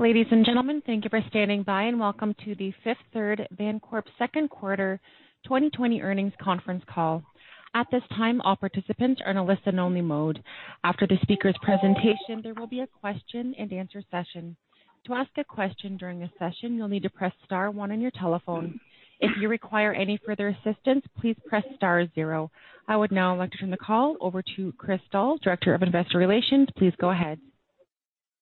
Ladies and gentlemen, thank you for standing by and welcome to the Fifth Third Bancorp second quarter 2020 earnings conference call. At this time, all participants are in a listen-only mode. After the speaker's presentation, there will be a question-and-answer session. To ask a question during the session, you'll need to press star one on your telephone. If you require any further assistance, please press star zero. I would now like to turn the call over to Chris Doll, Director of Investor Relations. Please go ahead.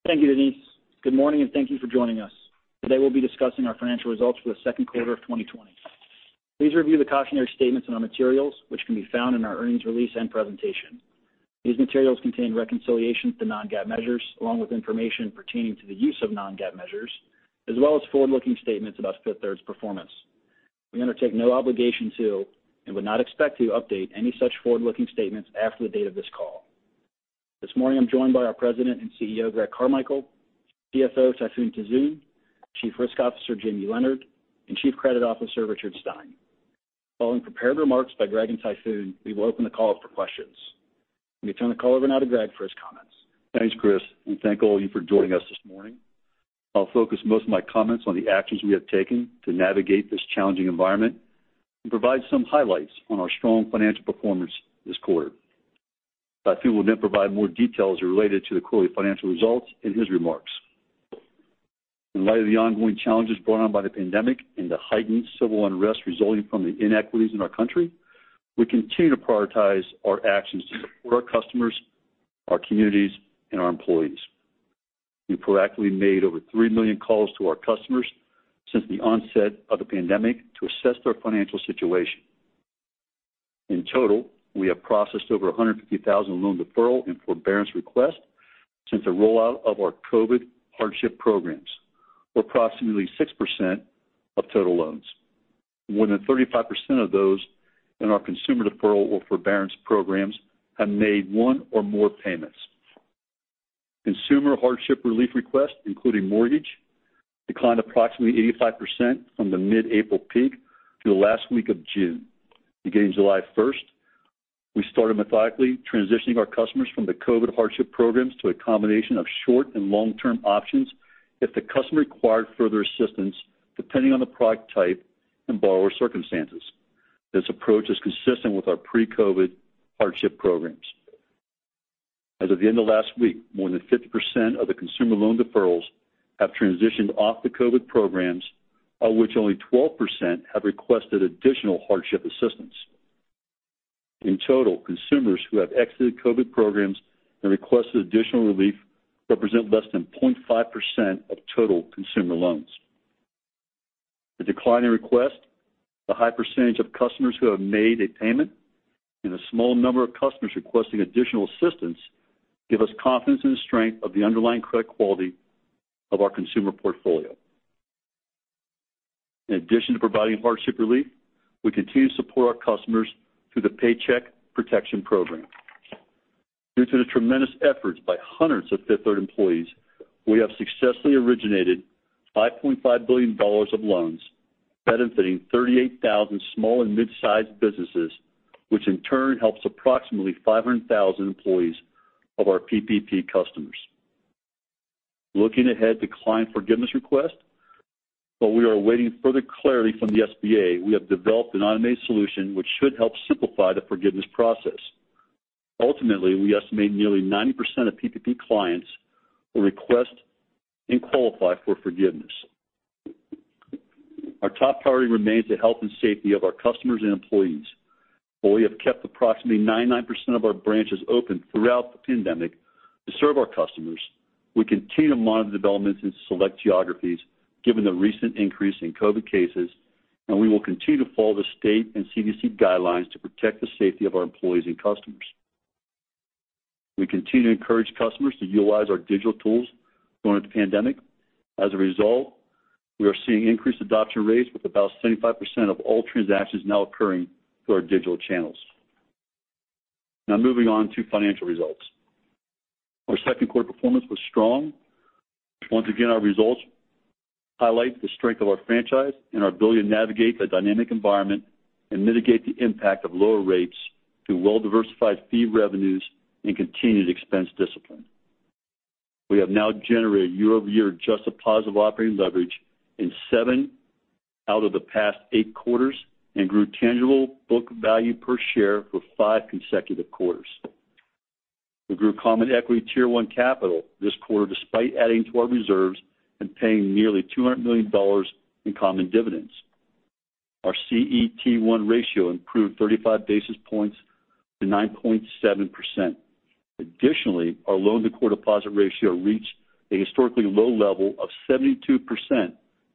Thank you, Denise. Good morning and thank you for joining us. Today, we'll be discussing our financial results for the second quarter of 2020. Please review the cautionary statements in our materials, which can be found in our earnings release and presentation. These materials contain reconciliations to non-GAAP measures, along with information pertaining to the use of non-GAAP measures, as well as forward-looking statements about Fifth Third's performance. We undertake no obligation to and would not expect to update any such forward-looking statements after the date of this call. This morning, I'm joined by our President and CEO, Greg Carmichael, CFO, Tayfun Tuzun, Chief Risk Officer, Jamie Leonard, and Chief Credit Officer, Richard Stein. Following prepared remarks by Greg and Tayfun, we will open the call for questions. Let me turn the call over now to Greg for his comments. Thanks, Chris, and thank all of you for joining us this morning. I'll focus most of my comments on the actions we have taken to navigate this challenging environment and provide some highlights on our strong financial performance this quarter. Tayfun will then provide more details related to the quarterly financial results and his remarks. In light of the ongoing challenges brought on by the pandemic and the heightened civil unrest resulting from the inequities in our country, we continue to prioritize our actions to support our customers, our communities, and our employees. We've proactively made over 3 million calls to our customers since the onset of the pandemic to assess their financial situation. In total, we have processed over 150,000 loan deferral and forbearance requests since the rollout of our COVID hardship programs, or approximately 6% of total loans. More than 35% of those in our consumer deferral or forbearance programs have made one or more payments. Consumer hardship relief requests, including mortgage, declined approximately 85% from the mid-April peak to the last week of June. Beginning July 1st, we started methodically transitioning our customers from the COVID hardship programs to a combination of short and long-term options if the customer required further assistance depending on the product type and borrower circumstances. This approach is consistent with our pre-COVID hardship programs. As of the end of last week, more than 50% of the consumer loan deferrals have transitioned off the COVID programs, of which only 12% have requested additional hardship assistance. In total, consumers who have exited COVID programs and requested additional relief represent less than 0.5% of total consumer loans. The declining request, the high percentage of customers who have made a payment, and a small number of customers requesting additional assistance give us confidence in the strength of the underlying credit quality of our consumer portfolio. In addition to providing hardship relief, we continue to support our customers through the Paycheck Protection Program. Due to the tremendous efforts by hundreds of Fifth Third employees, we have successfully originated $5.5 billion of loans benefiting 38,000 small and mid-sized businesses, which in turn helps approximately 500,000 employees of our PPP customers. Looking ahead to client forgiveness requests, while we are awaiting further clarity from the SBA, we have developed an automated solution which should help simplify the forgiveness process. Ultimately, we estimate nearly 90% of PPP clients will request and qualify for forgiveness. Our top priority remains the health and safety of our customers and employees. While we have kept approximately 99% of our branches open throughout the pandemic to serve our customers, we continue to monitor developments in select geographies given the recent increase in COVID cases, and we will continue to follow the state and CDC guidelines to protect the safety of our employees and customers. We continue to encourage customers to utilize our digital tools during the pandemic. As a result, we are seeing increased adoption rates with about 75% of all transactions now occurring through our digital channels. Now, moving on to financial results. Our second quarter performance was strong. Once again, our results highlight the strength of our franchise and our ability to navigate the dynamic environment and mitigate the impact of lower rates through well-diversified fee revenues and continued expense discipline. We have now generated year-over-year adjusted positive operating leverage in seven out of the past eight quarters and grew tangible book value per share for five consecutive quarters. We grew Common Equity Tier 1 capital this quarter despite adding to our reserves and paying nearly $200 million in common dividends. Our CET1 ratio improved 35 basis points to 9.7%. Additionally, our loan-to-core deposit ratio reached a historically low level of 72%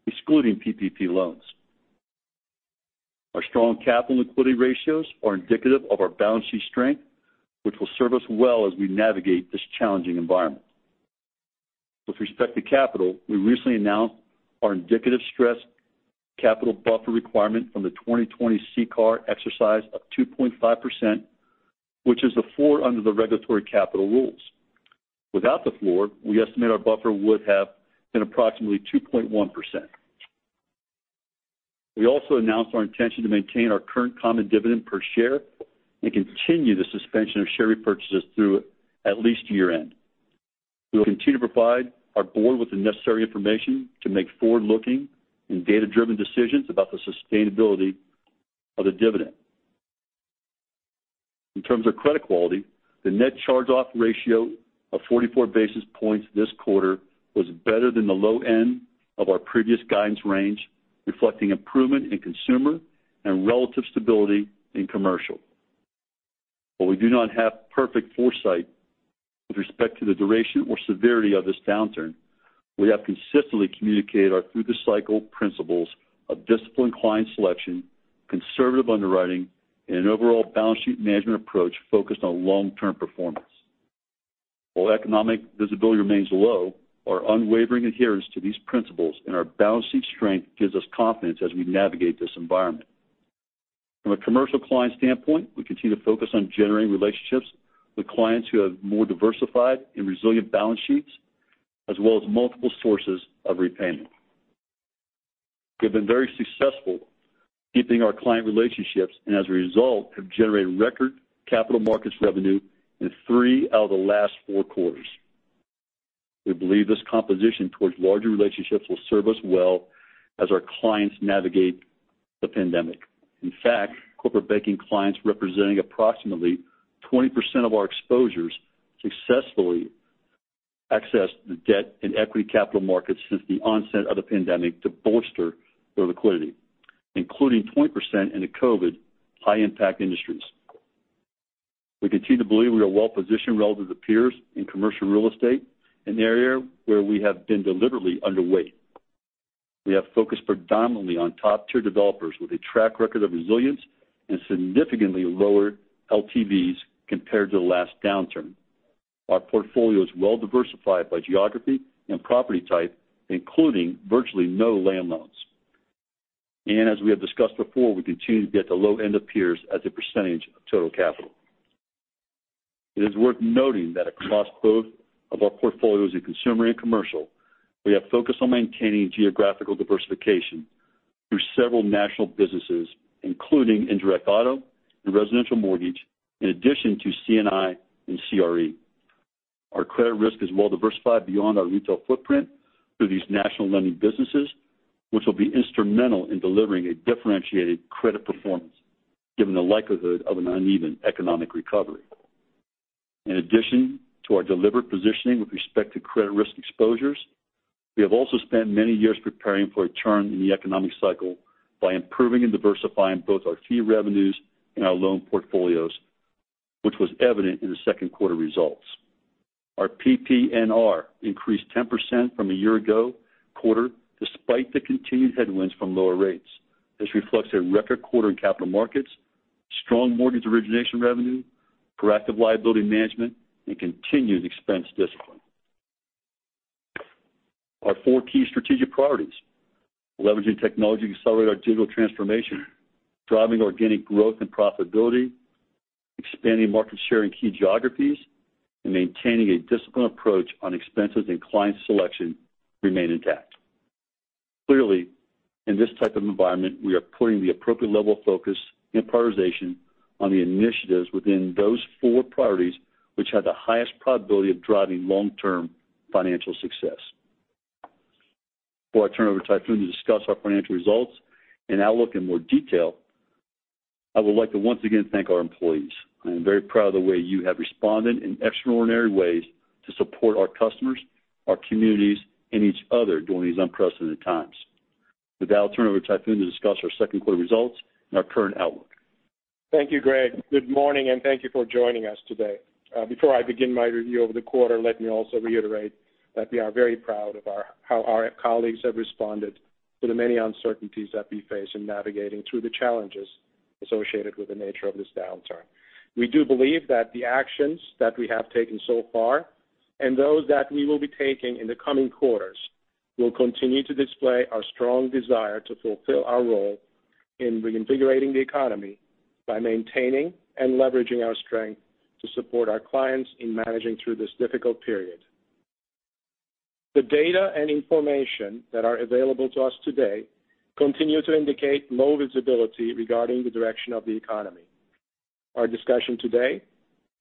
excluding PPP loans. Our strong capital and liquidity ratios are indicative of our balance sheet strength, which will serve us well as we navigate this challenging environment. With respect to capital, we recently announced our indicative stress capital buffer requirement from the 2020 CCAR exercise of 2.5%, which is the floor under the regulatory capital rules. Without the floor, we estimate our buffer would have been approximately 2.1%. We also announced our intention to maintain our current common dividend per share and continue the suspension of share repurchases through at least year-end. We will continue to provide our Board with the necessary information to make forward-looking and data-driven decisions about the sustainability of the dividend. In terms of credit quality, the net charge-off ratio of 44 basis points this quarter was better than the low end of our previous guidance range, reflecting improvement in consumer and relative stability in commercial. While we do not have perfect foresight with respect to the duration or severity of this downturn, we have consistently communicated our through-the-cycle principles of disciplined client selection, conservative underwriting, and an overall balance sheet management approach focused on long-term performance. While economic visibility remains low, our unwavering adherence to these principles and our balance sheet strength gives us confidence as we navigate this environment. From a commercial client standpoint, we continue to focus on generating relationships with clients who have more diversified and resilient balance sheets, as well as multiple sources of repayment. We have been very successful keeping our client relationships and, as a result, have generated record capital markets revenue in three out of the last four quarters. We believe this composition towards larger relationships will serve us well as our clients navigate the pandemic. In fact, corporate banking clients representing approximately 20% of our exposures successfully accessed the debt and equity capital markets since the onset of the pandemic to bolster their liquidity, including 20% in the COVID high-impact industries. We continue to believe we are well-positioned relative to peers in commercial real estate, an area where we have been deliberately underweight. We have focused predominantly on top-tier developers with a track record of resilience and significantly lower LTVs compared to the last downturn. Our portfolio is well-diversified by geography and property type, including virtually no land loans. As we have discussed before, we continue to be at the low end of peers as a percentage of total capital. It is worth noting that across both of our portfolios in consumer and commercial, we have focused on maintaining geographical diversification through several national businesses, including indirect auto and residential mortgage, in addition to C&I and CRE. Our credit risk is well-diversified beyond our retail footprint through these national lending businesses, which will be instrumental in delivering a differentiated credit performance given the likelihood of an uneven economic recovery. In addition to our deliberate positioning with respect to credit risk exposures, we have also spent many years preparing for a turn in the economic cycle by improving and diversifying both our fee revenues and our loan portfolios, which was evident in the second quarter results. Our PPNR increased 10% from a year-ago quarter despite the continued headwinds from lower rates. This reflects a record quarter in capital markets, strong mortgage origination revenue, proactive liability management, and continued expense discipline. Our four key strategic priorities: leveraging technology to accelerate our digital transformation, driving organic growth and profitability, expanding market share in key geographies, and maintaining a disciplined approach on expenses and client selection remain intact. Clearly, in this type of environment, we are putting the appropriate level of focus and prioritization on the initiatives within those four priorities, which have the highest probability of driving long-term financial success. Before I turn over to Tayfun to discuss our financial results and outlook in more detail, I would like to once again thank our employees. I am very proud of the way you have responded in extraordinary ways to support our customers, our communities, and each other during these unprecedented times. With that, I'll turn over to Tayfun to discuss our second quarter results and our current outlook. Thank you, Greg. Good morning and thank you for joining us today. Before I begin my review of the quarter, let me also reiterate that we are very proud of how our colleagues have responded to the many uncertainties that we face in navigating through the challenges associated with the nature of this downturn. We do believe that the actions that we have taken so far and those that we will be taking in the coming quarters will continue to display our strong desire to fulfill our role in reinvigorating the economy by maintaining and leveraging our strength to support our clients in managing through this difficult period. The data and information that are available to us today continue to indicate low visibility regarding the direction of the economy. Our discussion today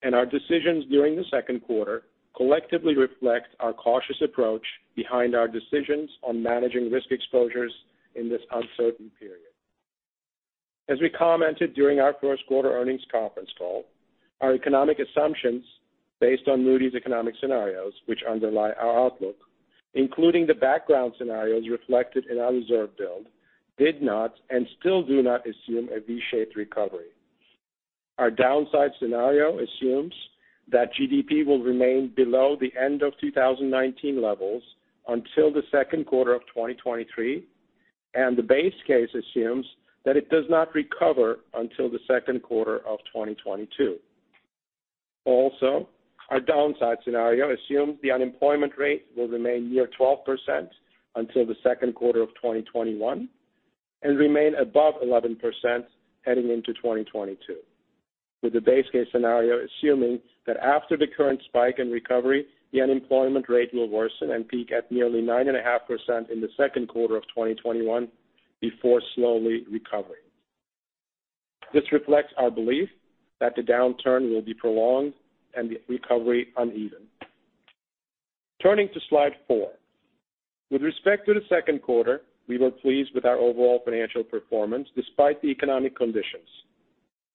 and our decisions during the second quarter collectively reflect our cautious approach behind our decisions on managing risk exposures in this uncertain period. As we commented during our first quarter earnings conference call, our economic assumptions based on Moody's economic scenarios, which underlie our outlook, including the background scenarios reflected in our reserve build, did not and still do not assume a V-shaped recovery. Our downside scenario assumes that GDP will remain below the end-of-2019 levels until the second quarter of 2023, and the base case assumes that it does not recover until the second quarter of 2022. Also, our downside scenario assumes the unemployment rate will remain near 12% until the second quarter of 2021 and remain above 11% heading into 2022, with the base case scenario assuming that after the current spike in recovery, the unemployment rate will worsen and peak at nearly 9.5% in the second quarter of 2021 before slowly recovering. This reflects our belief that the downturn will be prolonged and the recovery uneven. Turning to slide four, with respect to the second quarter, we were pleased with our overall financial performance despite the economic conditions.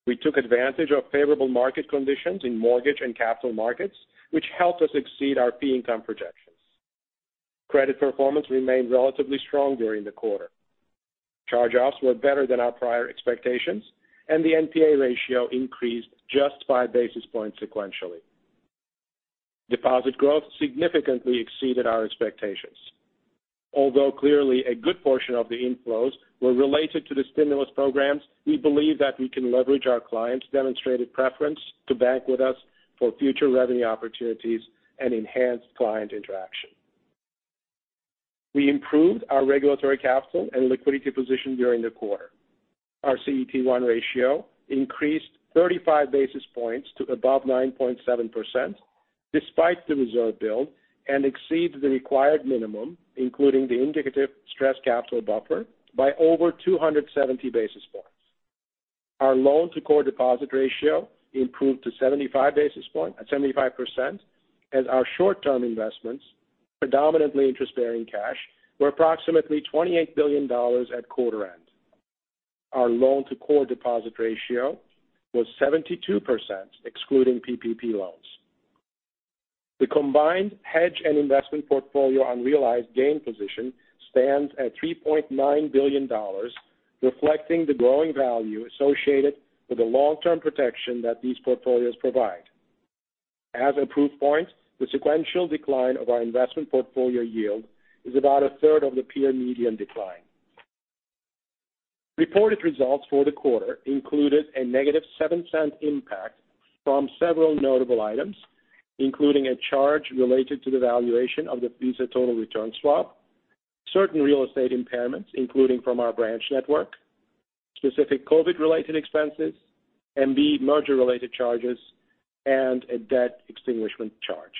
We took advantage of favorable market conditions in mortgage and capital markets, which helped us exceed our fee income projections. Credit performance remained relatively strong during the quarter. Charge-offs were better than our prior expectations, and the NPA ratio increased just five basis points sequentially. Deposit growth significantly exceeded our expectations. Although clearly a good portion of the inflows were related to the stimulus programs, we believe that we can leverage our clients' demonstrated preference to bank with us for future revenue opportunities and enhanced client interaction. We improved our regulatory capital and liquidity position during the quarter. Our CET1 ratio increased 35 basis points to above 9.7% despite the reserve build and exceeded the required minimum, including the indicative stress capital buffer, by over 270 basis points. Our loan-to-core deposit ratio improved 75 basis points to 75%, as our short-term investments, predominantly interest-bearing cash, were approximately $28 billion at quarter end. Our loan-to-core deposit ratio was 72%, excluding PPP loans. The combined hedge and investment portfolio unrealized gain position stands at $3.9 billion, reflecting the growing value associated with the long-term protection that these portfolios provide. As a proof point, the sequential decline of our investment portfolio yield is about a third of the peer median decline. Reported results for the quarter included a negative $0.07 impact from several notable items, including a charge related to the valuation of the Visa total return swap, certain real estate impairments, including from our branch network, specific COVID-related expenses, MB merger-related charges, and a debt extinguishment charge.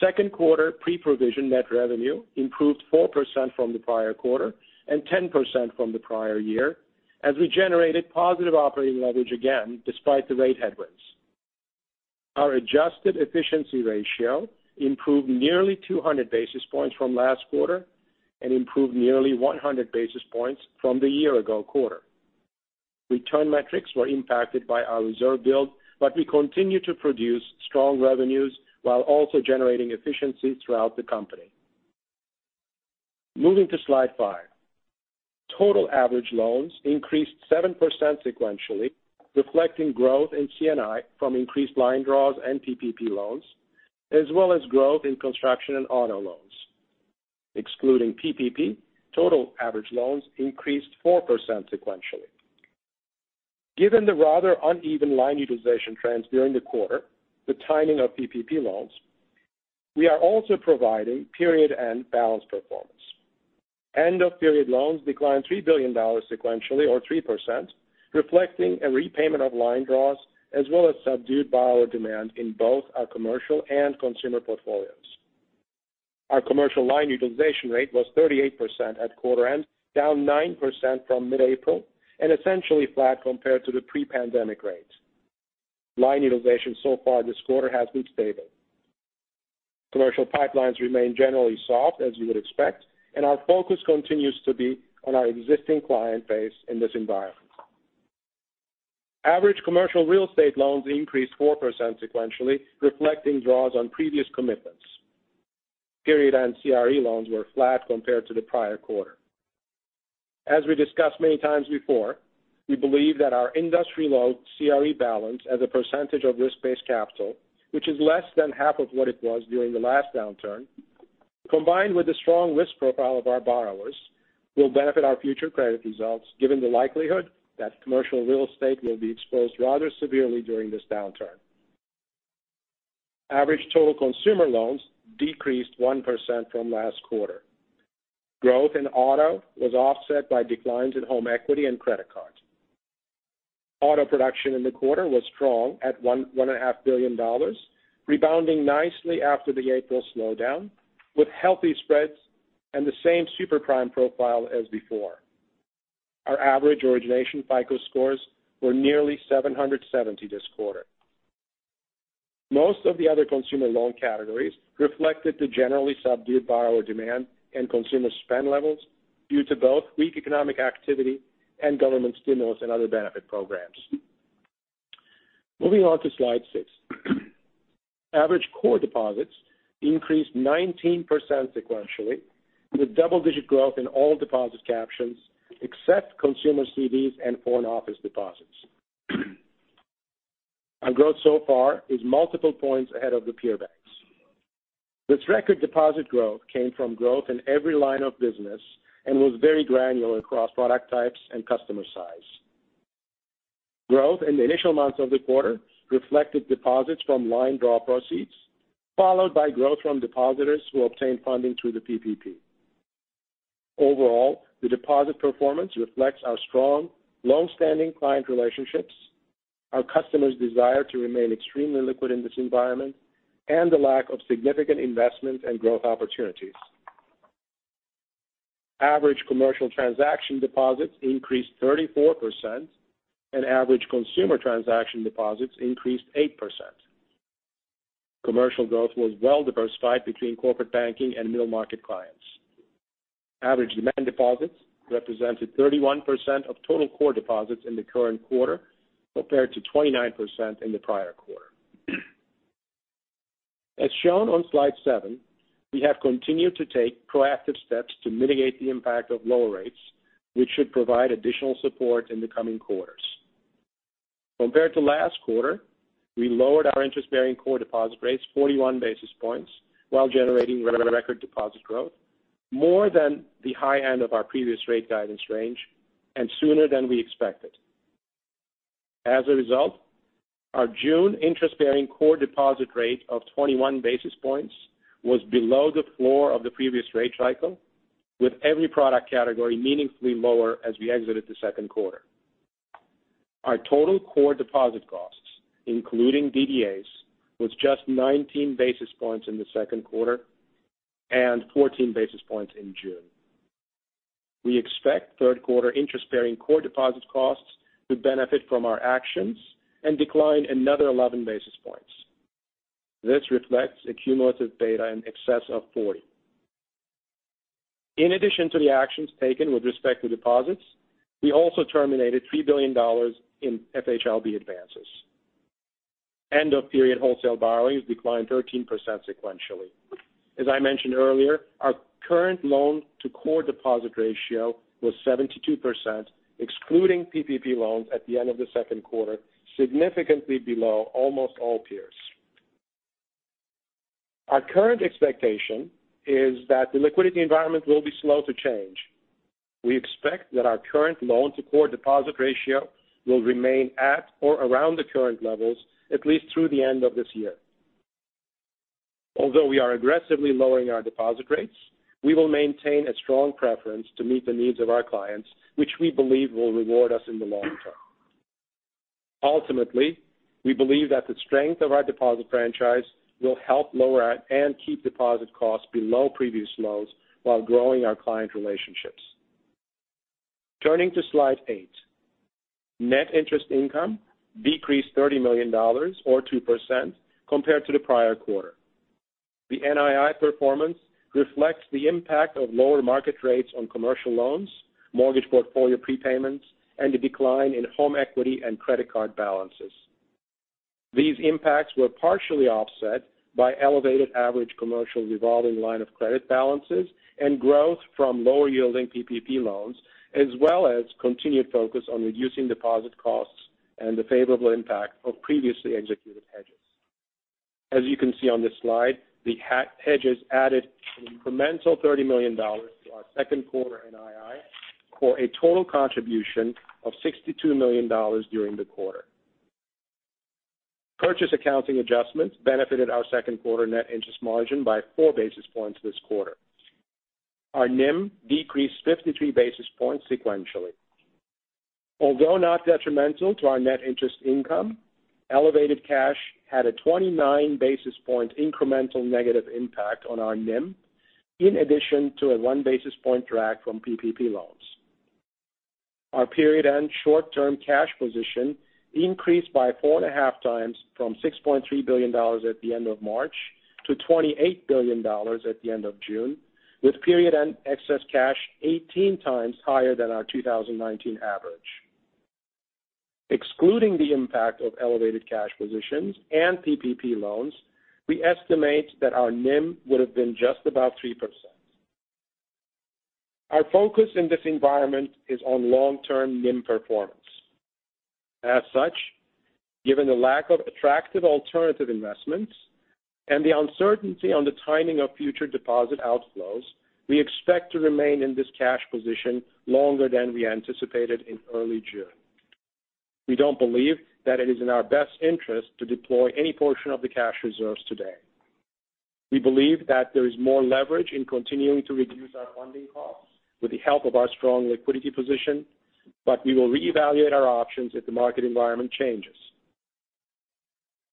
Second quarter pre-provision net revenue improved 4% from the prior quarter and 10% from the prior year, as we generated positive operating leverage again despite the rate headwinds. Our adjusted efficiency ratio improved nearly 200 basis points from last quarter and improved nearly 100 basis points from the year-ago quarter. Return metrics were impacted by our reserve build, but we continue to produce strong revenues while also generating efficiency throughout the company. Moving to slide five, total average loans increased 7% sequentially, reflecting growth in C&I from increased line draws and PPP loans, as well as growth in construction and auto loans. Excluding PPP, total average loans increased 4% sequentially. Given the rather uneven line utilization trends during the quarter, the timing of PPP loans, we are also providing period-end balance performance. End-of-period loans declined $3 billion sequentially, or 3%, reflecting a repayment of line draws as well as subdued borrower demand in both our commercial and consumer portfolios. Our commercial line utilization rate was 38% at quarter end, down 9% from mid-April, and essentially flat compared to the pre-pandemic rate. Line utilization so far this quarter has been stable. Commercial pipelines remain generally soft, as you would expect, and our focus continues to be on our existing client base in this environment. Average commercial real estate loans increased 4% sequentially, reflecting draws on previous commitments. Period-end CRE loans were flat compared to the prior quarter. As we discussed many times before, we believe that our industry-low CRE balance as a percentage of risk-based capital, which is less than half of what it was during the last downturn, combined with the strong risk profile of our borrowers, will benefit our future credit results, given the likelihood that commercial real estate will be exposed rather severely during this downturn. Average total consumer loans decreased 1% from last quarter. Growth in auto was offset by declines in home equity and credit cards. Auto production in the quarter was strong at $1.5 billion, rebounding nicely after the April slowdown, with healthy spreads and the same superprime profile as before. Our average origination FICO scores were nearly 770 this quarter. Most of the other consumer loan categories reflected the generally subdued borrower demand and consumer spend levels due to both weak economic activity and government stimulus and other benefit programs. Moving on to slide six, average core deposits increased 19% sequentially, with double-digit growth in all deposit captions except consumer CDs and foreign office deposits. Our growth so far is multiple points ahead of the peer banks. This record deposit growth came from growth in every line of business and was very granular across product types and customer size. Growth in the initial months of the quarter reflected deposits from line draw proceeds, followed by growth from depositors who obtained funding through the PPP. Overall, the deposit performance reflects our strong, long-standing client relationships, our customers' desire to remain extremely liquid in this environment, and the lack of significant investments and growth opportunities. Average commercial transaction deposits increased 34%, and average consumer transaction deposits increased 8%. Commercial growth was well-diversified between corporate banking and middle market clients. Average demand deposits represented 31% of total core deposits in the current quarter compared to 29% in the prior quarter. As shown on slide seven, we have continued to take proactive steps to mitigate the impact of lower rates, which should provide additional support in the coming quarters. Compared to last quarter, we lowered our interest-bearing core deposit rates 41 basis points while generating record deposit growth, more than the high end of our previous rate guidance range and sooner than we expected. As a result, our June interest-bearing core deposit rate of 21 basis points was below the floor of the previous rate cycle, with every product category meaningfully lower as we exited the second quarter. Our total core deposit costs, including DDAs, was just 19 basis points in the second quarter and 14 basis points in June. We expect third quarter interest-bearing core deposit costs to benefit from our actions and decline another 11 basis points. This reflects a cumulative beta in excess of 40. In addition to the actions taken with respect to deposits, we also terminated $3 billion in FHLB advances. End-of-period wholesale borrowings declined 13% sequentially. As I mentioned earlier, our current loan-to-core deposit ratio was 72%, excluding PPP loans at the end of the second quarter, significantly below almost all peers. Our current expectation is that the liquidity environment will be slow to change. We expect that our current loan-to-core deposit ratio will remain at or around the current levels at least through the end of this year. Although we are aggressively lowering our deposit rates, we will maintain a strong preference to meet the needs of our clients, which we believe will reward us in the long term. Ultimately, we believe that the strength of our deposit franchise will help lower and keep deposit costs below previous lows while growing our client relationships. Turning to slide eight, net interest income decreased $30 million, or 2%, compared to the prior quarter. The NII performance reflects the impact of lower market rates on commercial loans, mortgage portfolio prepayments, and the decline in home equity and credit card balances. These impacts were partially offset by elevated average commercial revolving line of credit balances and growth from lower-yielding PPP loans, as well as continued focus on reducing deposit costs and the favorable impact of previously executed hedges. As you can see on this slide, the hedges added an incremental $30 million to our second quarter NII for a total contribution of $62 million during the quarter. Purchase accounting adjustments benefited our second quarter net interest margin by four basis points this quarter. Our NIM decreased 53 basis points sequentially. Although not detrimental to our net interest income, elevated cash had a 29 basis point incremental negative impact on our NIM, in addition to a one basis point drag from PPP loans. Our period-end short-term cash position increased by four and a half times from $6.3 billion at the end of March to $28 billion at the end of June, with period-end excess cash 18x higher than our 2019 average. Excluding the impact of elevated cash positions and PPP loans, we estimate that our NIM would have been just about 3%. Our focus in this environment is on long-term NIM performance. As such, given the lack of attractive alternative investments and the uncertainty on the timing of future deposit outflows, we expect to remain in this cash position longer than we anticipated in early June. We don't believe that it is in our best interest to deploy any portion of the cash reserves today. We believe that there is more leverage in continuing to reduce our funding costs with the help of our strong liquidity position, but we will reevaluate our options if the market environment changes.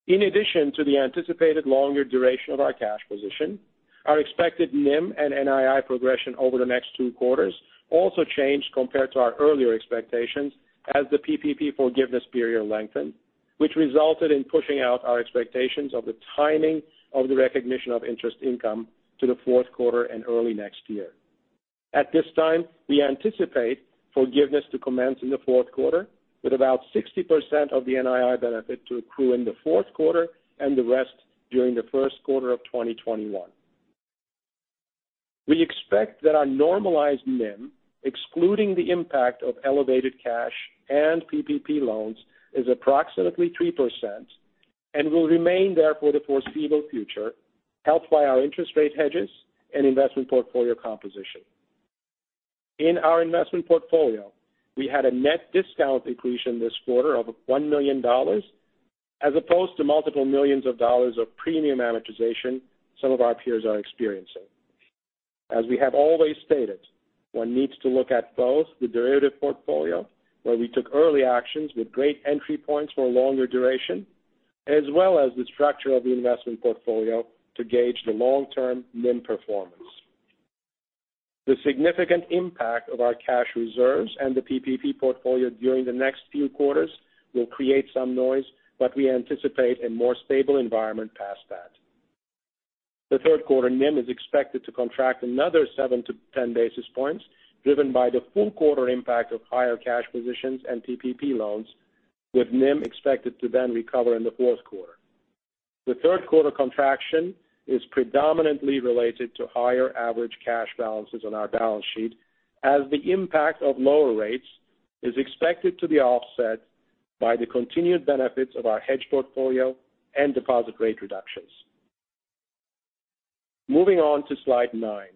In addition to the anticipated longer duration of our cash position, our expected NIM and NII progression over the next two quarters also changed compared to our earlier expectations as the PPP forgiveness period lengthened, which resulted in pushing out our expectations of the timing of the recognition of interest income to the fourth quarter and early next year. At this time, we anticipate forgiveness to commence in the fourth quarter, with about 60% of the NII benefit to accrue in the fourth quarter and the rest during the first quarter of 2021. We expect that our normalized NIM, excluding the impact of elevated cash and PPP loans, is approximately 3% and will remain there for the foreseeable future, helped by our interest rate hedges and investment portfolio composition. In our investment portfolio, we had a net discount decrease in this quarter of $1 million, as opposed to multiple millions of dollars of premium amortization some of our peers are experiencing. As we have always stated, one needs to look at both the derivative portfolio, where we took early actions with great entry points for longer duration, as well as the structure of the investment portfolio to gauge the long-term NIM performance. The significant impact of our cash reserves and the PPP portfolio during the next few quarters will create some noise, but we anticipate a more stable environment past that. The third quarter NIM is expected to contract another 7 basis points-10 basis points, driven by the full quarter impact of higher cash positions and PPP loans, with NIM expected to then recover in the fourth quarter. The third quarter contraction is predominantly related to higher average cash balances on our balance sheet, as the impact of lower rates is expected to be offset by the continued benefits of our hedge portfolio and deposit rate reductions. Moving on to slide nine,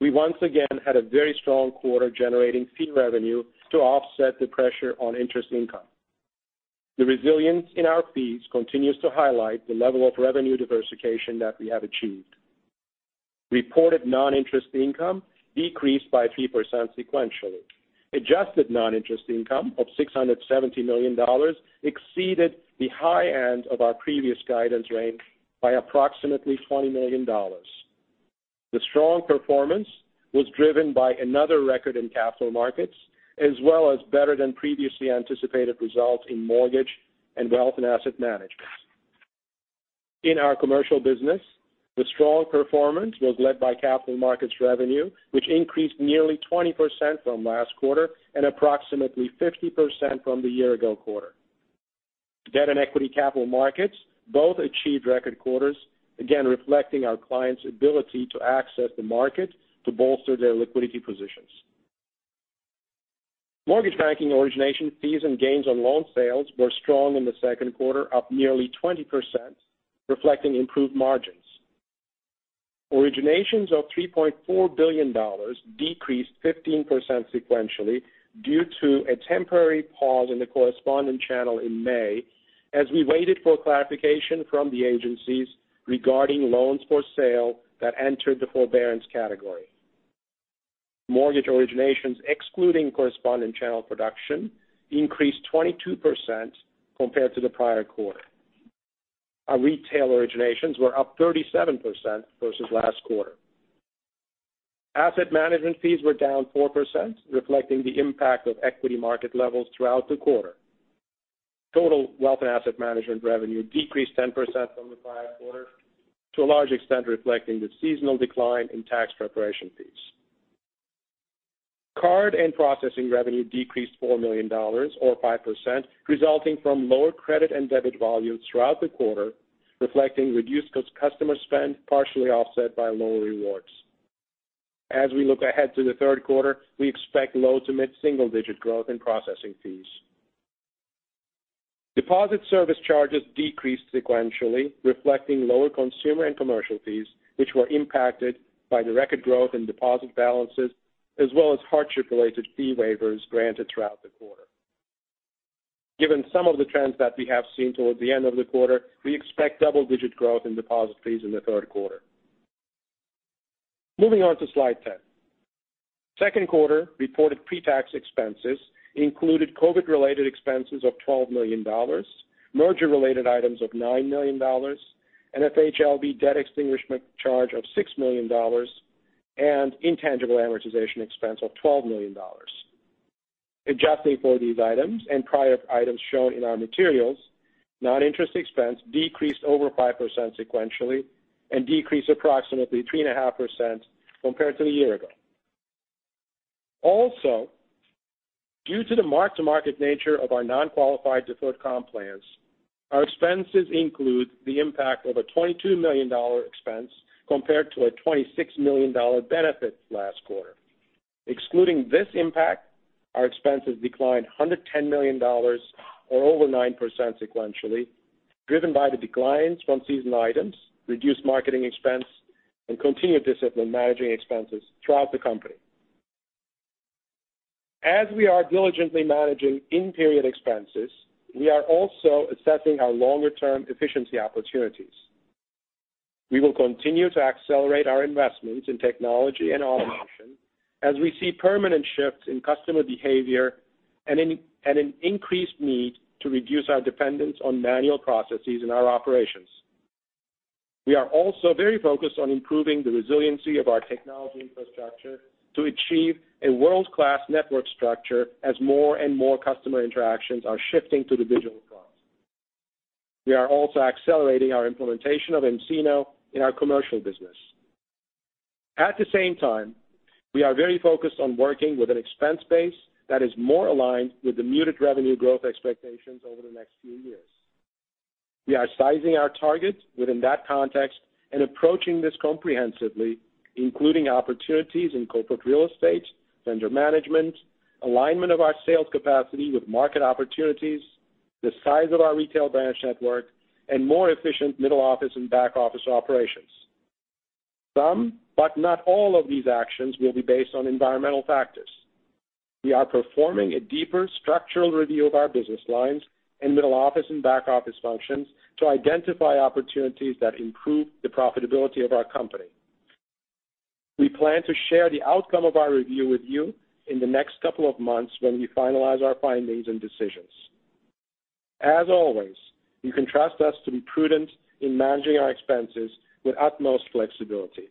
we once again had a very strong quarter generating fee revenue to offset the pressure on interest income. The resilience in our fees continues to highlight the level of revenue diversification that we have achieved. Reported non-interest income decreased by 3% sequentially. Adjusted non-interest income of $670 million exceeded the high end of our previous guidance range by approximately $20 million. The strong performance was driven by another record in capital markets, as well as better than previously anticipated results in mortgage and wealth and asset management. In our commercial business, the strong performance was led by capital markets revenue, which increased nearly 20% from last quarter and approximately 50% from the year-ago quarter. Debt and equity capital markets both achieved record quarters, again reflecting our clients' ability to access the market to bolster their liquidity positions. Mortgage banking origination fees and gains on loan sales were strong in the second quarter, up nearly 20%, reflecting improved margins. Originations of $3.4 billion decreased 15% sequentially due to a temporary pause in the correspondent channel in May, as we waited for clarification from the agencies regarding loans for sale that entered the forbearance category. Mortgage originations excluding correspondent channel production increased 22% compared to the prior quarter. Our retail originations were up 37% versus last quarter. Asset management fees were down 4%, reflecting the impact of equity market levels throughout the quarter. Total wealth and asset management revenue decreased 10% from the prior quarter, to a large extent reflecting the seasonal decline in tax preparation fees. Card and processing revenue decreased $4 million, or 5%, resulting from lower credit and debit volumes throughout the quarter, reflecting reduced customer spend partially offset by lower rewards. As we look ahead to the third quarter, we expect low to mid-single-digit growth in processing fees. Deposit service charges decreased sequentially, reflecting lower consumer and commercial fees, which were impacted by the record growth in deposit balances, as well as hardship-related fee waivers granted throughout the quarter. Given some of the trends that we have seen towards the end of the quarter, we expect double-digit growth in deposit fees in the third quarter. Moving on to slide ten, second quarter reported pre-tax expenses included COVID-related expenses of $12 million, merger-related items of $9 million, an FHLB debt extinguishment charge of $6 million, and intangible amortization expense of $12 million. Adjusting for these items and prior items shown in our materials, non-interest expense decreased over 5% sequentially and decreased approximately 3.5% compared to the year ago. Also, due to the mark-to-market nature of our non-qualified deferred comp plans, our expenses include the impact of a $22 million expense compared to a $26 million benefit last quarter. Excluding this impact, our expenses declined $110 million, or over 9% sequentially, driven by the declines from seasonal items, reduced marketing expense, and continued discipline managing expenses throughout the company. As we are diligently managing in-period expenses, we are also assessing our longer-term efficiency opportunities. We will continue to accelerate our investments in technology and automation as we see permanent shifts in customer behavior and an increased need to reduce our dependence on manual processes in our operations. We are also very focused on improving the resiliency of our technology infrastructure to achieve a world-class network structure as more and more customer interactions are shifting to the digital front. We are also accelerating our implementation of nCino in our commercial business. At the same time, we are very focused on working with an expense base that is more aligned with the muted revenue growth expectations over the next few years. We are sizing our target within that context and approaching this comprehensively, including opportunities in corporate real estate, vendor management, alignment of our sales capacity with market opportunities, the size of our retail branch network, and more efficient middle office and back office operations. Some, but not all of these actions will be based on environmental factors. We are performing a deeper structural review of our business lines and middle office and back office functions to identify opportunities that improve the profitability of our company. We plan to share the outcome of our review with you in the next couple of months when we finalize our findings and decisions. As always, you can trust us to be prudent in managing our expenses with utmost flexibility.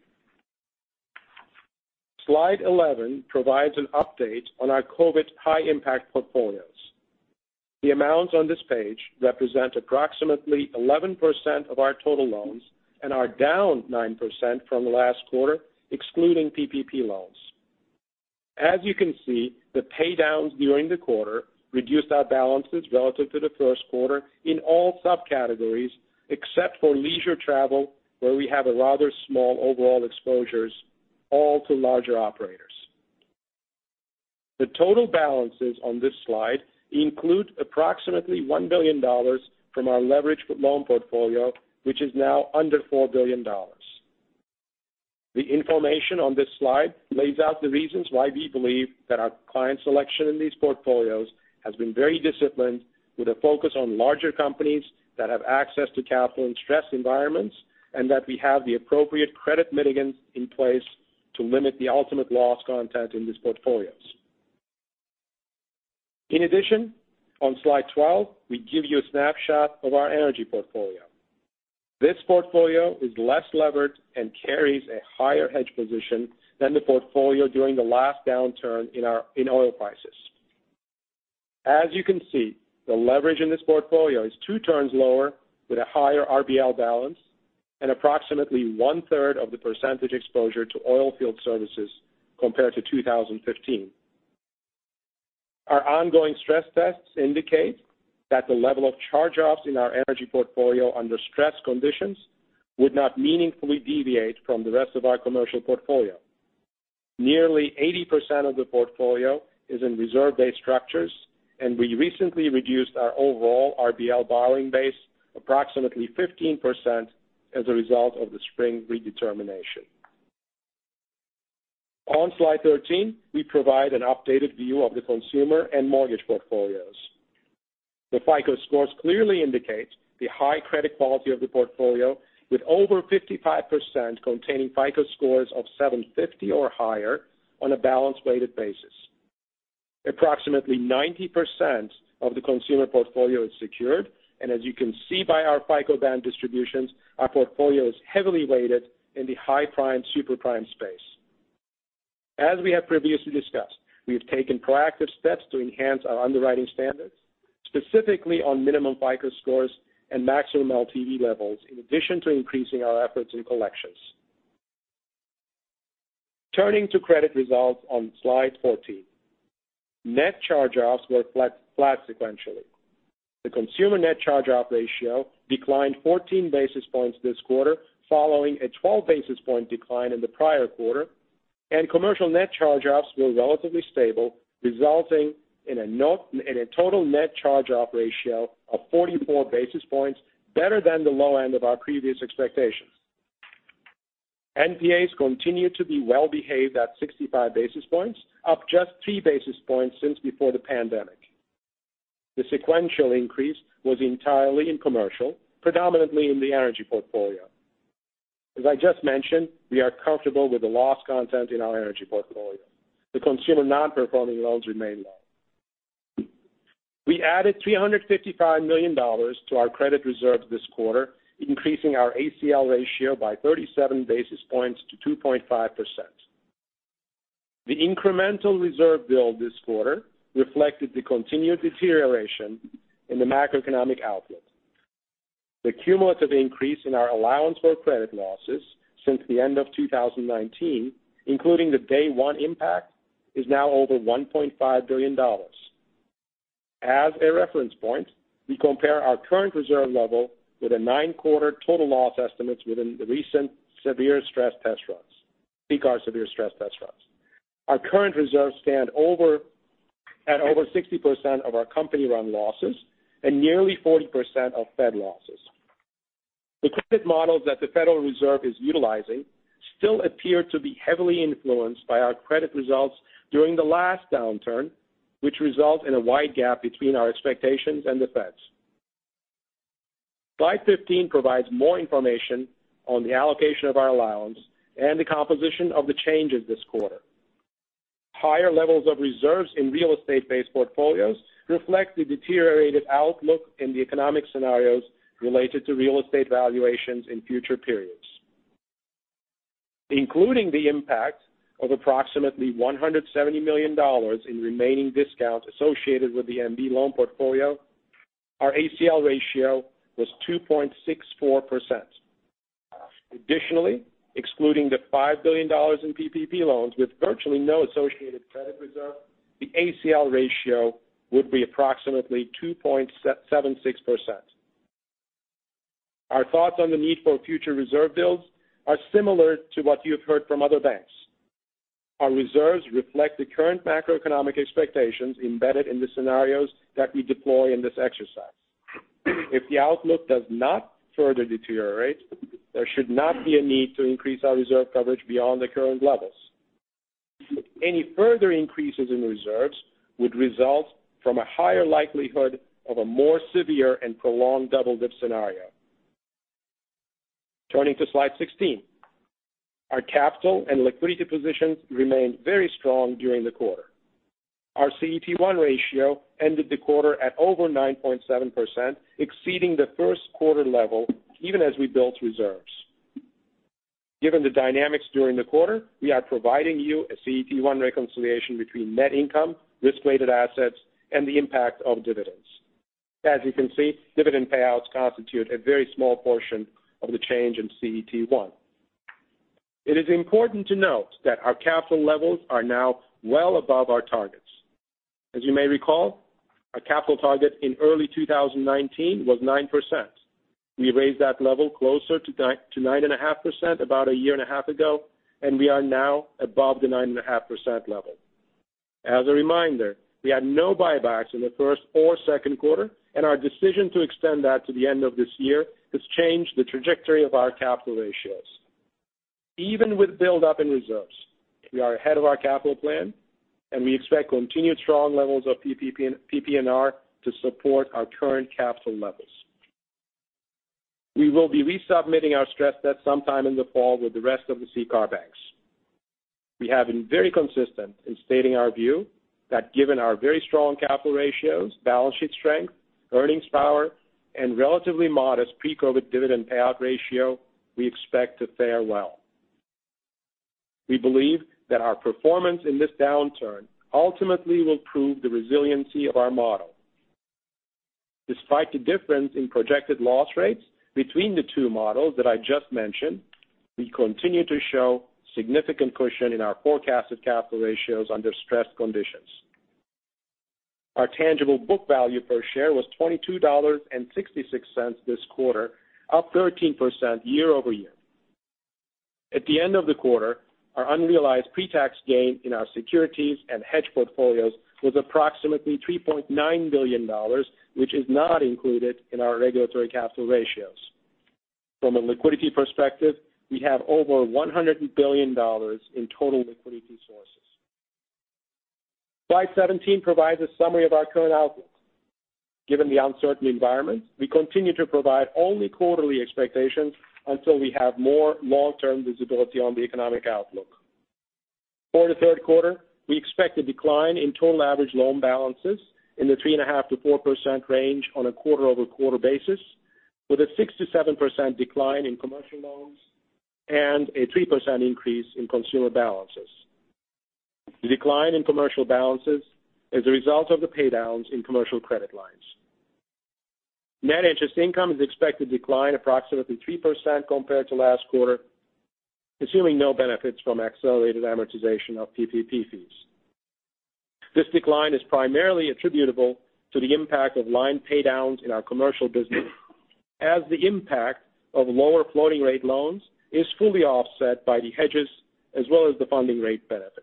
Slide 11 provides an update on our COVID high-impact portfolios. The amounts on this page represent approximately 11% of our total loans and are down 9% from the last quarter, excluding PPP loans. As you can see, the paydowns during the quarter reduced our balances relative to the first quarter in all subcategories except for leisure travel, where we have a rather small overall exposure, all to larger operators. The total balances on this slide include approximately $1 billion from our leveraged loan portfolio, which is now under $4 billion. The information on this slide lays out the reasons why we believe that our client selection in these portfolios has been very disciplined, with a focus on larger companies that have access to capital-stress environments and that we have the appropriate credit mitigants in place to limit the ultimate loss content in these portfolios. In addition, on slide 12, we give you a snapshot of our energy portfolio. This portfolio is less levered and carries a higher hedge position than the portfolio during the last downturn in our oil crisis. As you can see, the leverage in this portfolio is two turns lower with a higher RBL balance and approximately one-third of the percentage exposure to oil field services compared to 2015. Our ongoing stress tests indicate that the level of charge-offs in our energy portfolio under stress conditions would not meaningfully deviate from the rest of our commercial portfolio. Nearly 80% of the portfolio is in reserve-based structures, and we recently reduced our overall RBL borrowing base approximately 15% as a result of the spring redetermination. On slide 13, we provide an updated view of the consumer and mortgage portfolios. The FICO scores clearly indicate the high credit quality of the portfolio, with over 55% containing FICO scores of 750 or higher on a balance-weighted basis. Approximately 90% of the consumer portfolio is secured, and as you can see by our FICO band distributions, our portfolio is heavily weighted in the high prime super prime space. As we have previously discussed, we have taken proactive steps to enhance our underwriting standards, specifically on minimum FICO scores and maximum LTV levels, in addition to increasing our efforts in collections. Turning to credit results on slide 14, net charge-offs were flat sequentially. The consumer net charge-off ratio declined 14 basis points this quarter, following a 12 basis points decline in the prior quarter, and commercial net charge-offs were relatively stable, resulting in a total net charge-off ratio of 44 basis points, better than the low end of our previous expectations. NPAs continue to be well-behaved at 65 basis points, up just 3 basis points since before the pandemic. The sequential increase was entirely in commercial, predominantly in the energy portfolio. As I just mentioned, we are comfortable with the loss content in our energy portfolio. The consumer non-performing loans remain low. We added $355 million to our credit reserves this quarter, increasing our ACL ratio by 37 basis points to 2.5%. The incremental reserve build this quarter reflected the continued deterioration in the macroeconomic outlook. The cumulative increase in our allowance for credit losses since the end of 2019, including the day-one impact, is now over $1.5 billion. As a reference point, we compare our current reserve level with the nine-quarter total loss estimates within the recent severe stress test runs. Our current reserves stand at over 60% of our company-run losses and nearly 40% of Fed losses. The credit models that the Federal Reserve is utilizing still appear to be heavily influenced by our credit results during the last downturn, which resulted in a wide gap between our expectations and the Fed's. Slide 15 provides more information on the allocation of our allowance and the composition of the changes this quarter. Higher levels of reserves in real estate-based portfolios reflect the deteriorated outlook in the economic scenarios related to real estate valuations in future periods, including the impact of approximately $170 million in remaining discounts associated with the MB loan portfolio. Our ACL ratio was 2.64%. Additionally, excluding the $5 billion in PPP loans with virtually no associated credit reserve, the ACL ratio would be approximately 2.76%. Our thoughts on the need for future reserve builds are similar to what you've heard from other banks. Our reserves reflect the current macroeconomic expectations embedded in the scenarios that we deploy in this exercise. If the outlook does not further deteriorate, there should not be a need to increase our reserve coverage beyond the current levels. Any further increases in reserves would result from a higher likelihood of a more severe and prolonged double-dip scenario. Turning to slide 16, our capital and liquidity positions remained very strong during the quarter. Our CET1 ratio ended the quarter at over 9.7%, exceeding the first quarter level even as we built reserves. Given the dynamics during the quarter, we are providing you a CET1 reconciliation between net income, risk-weighted assets, and the impact of dividends. As you can see, dividend payouts constitute a very small portion of the change in CET1. It is important to note that our capital levels are now well above our targets. As you may recall, our capital target in early 2019 was 9%. We raised that level closer to 9.5% about a year and a half ago, and we are now above the 9.5% level. As a reminder, we had no buybacks in the first or second quarter, and our decision to extend that to the end of this year has changed the trajectory of our capital ratios. Even with build-up in reserves, we are ahead of our capital plan, and we expect continued strong levels of PPP and PPNR to support our current capital levels. We will be resubmitting our stress test sometime in the fall with the rest of the CCAR banks. We have been very consistent in stating our view that given our very strong capital ratios, balance sheet strength, earnings power, and relatively modest pre-COVID dividend payout ratio, we expect to fare well. We believe that our performance in this downturn ultimately will prove the resiliency of our model. Despite the difference in projected loss rates between the two models that I just mentioned, we continue to show significant cushion in our forecasted capital ratios under stressed conditions. Our tangible book value per share was $22.66 this quarter, up 13% year-over-year. At the end of the quarter, our unrealized pre-tax gain in our securities and hedge portfolios was approximately $3.9 billion, which is not included in our regulatory capital ratios. From a liquidity perspective, we have over $100 billion in total liquidity sources. Slide 17 provides a summary of our current outlook. Given the uncertain environment, we continue to provide only quarterly expectations until we have more long-term visibility on the economic outlook. For the third quarter, we expect a decline in total average loan balances in the 3.5%-4% range on a quarter-over-quarter basis, with a 6%-7% decline in commercial loans and a 3% increase in consumer balances. The decline in commercial balances is a result of the paydowns in commercial credit lines. Net interest income is expected to decline approximately 3% compared to last quarter, assuming no benefits from accelerated amortization of PPP fees. This decline is primarily attributable to the impact of line paydowns in our commercial business, as the impact of lower floating-rate loans is fully offset by the hedges as well as the funding rate benefits.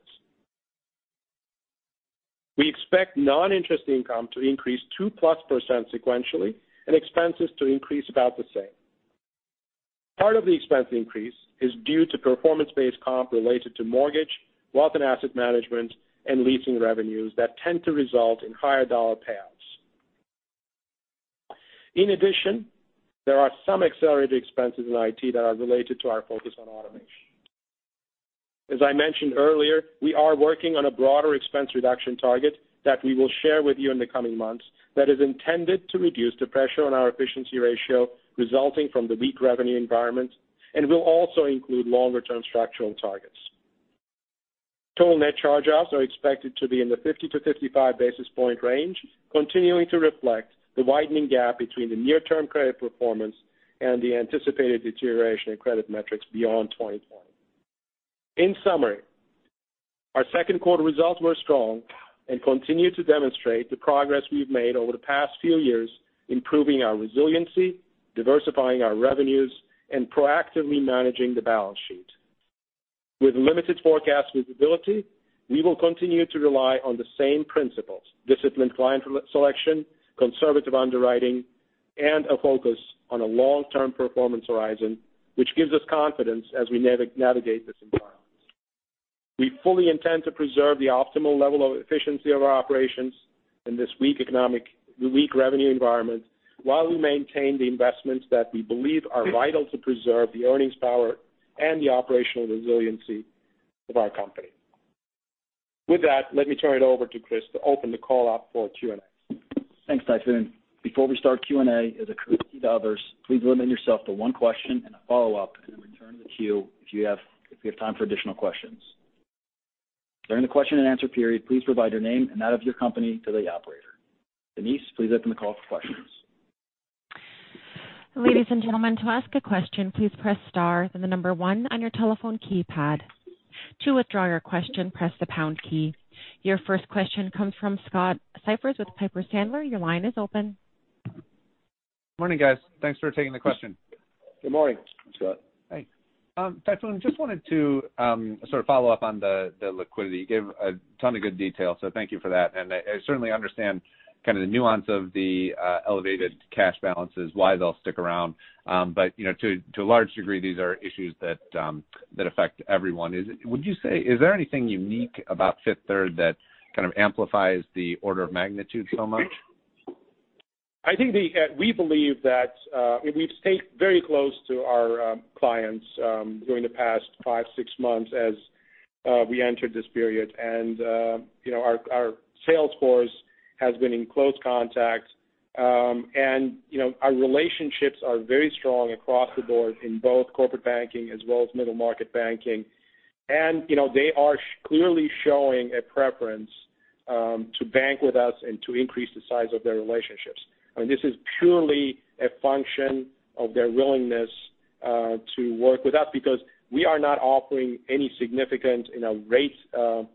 We expect non-interest income to increase 2%+ sequentially and expenses to increase about the same. Part of the expense increase is due to performance-based comp related to mortgage, wealth and asset management, and leasing revenues that tend to result in higher dollar payouts. In addition, there are some accelerated expenses in IT that are related to our focus on automation. As I mentioned earlier, we are working on a broader expense reduction target that we will share with you in the coming months that is intended to reduce the pressure on our efficiency ratio resulting from the weak revenue environment and will also include longer-term structural targets. Total net charge-offs are expected to be in the 50 basis points-55 basis points range, continuing to reflect the widening gap between the near-term credit performance and the anticipated deterioration in credit metrics beyond 2020. In summary, our second quarter results were strong and continue to demonstrate the progress we've made over the past few years, improving our resiliency, diversifying our revenues, and proactively managing the balance sheet. With limited forecast visibility, we will continue to rely on the same principles: disciplined client selection, conservative underwriting, and a focus on a long-term performance horizon, which gives us confidence as we navigate this environment. We fully intend to preserve the optimal level of efficiency of our operations in this weak revenue environment while we maintain the investments that we believe are vital to preserve the earnings power and the operational resiliency of our company. With that, let me turn it over to Chris to open the call up for Q&A. Thanks, Tayfun. Before we start Q&A, as a courtesy to others, please limit yourself to one question and a follow-up in turn to the queue if you have time for additional questions. During the question-and-answer period, please provide your name and that of your company to the operator. Denise, please open the call for questions. Ladies and gentlemen, to ask a question, please press star and the number one on your telephone keypad. To withdraw your question, press the pound key. Your first question comes from Scott Siefers with Piper Sandler. Your line is open. Morning, guys. Thanks for taking the question. Good morning, Scott. Hey. Tayfun, just wanted to sort of follow up on the liquidity. You gave a ton of good detail, so thank you for that. And I certainly understand kind of the nuance of the elevated cash balances, why they'll stick around. But to a large degree, these are issues that affect everyone. Would you say, is there anything unique about Fifth Third that kind of amplifies the order of magnitude so much? I think we believe that we've stayed very close to our clients during the past five, six months as we entered this period. And our sales force has been in close contact. And our relationships are very strong across the board in both corporate banking as well as middle market banking. And they are clearly showing a preference to bank with us and to increase the size of their relationships. I mean, this is purely a function of their willingness to work with us because we are not offering any significant rates to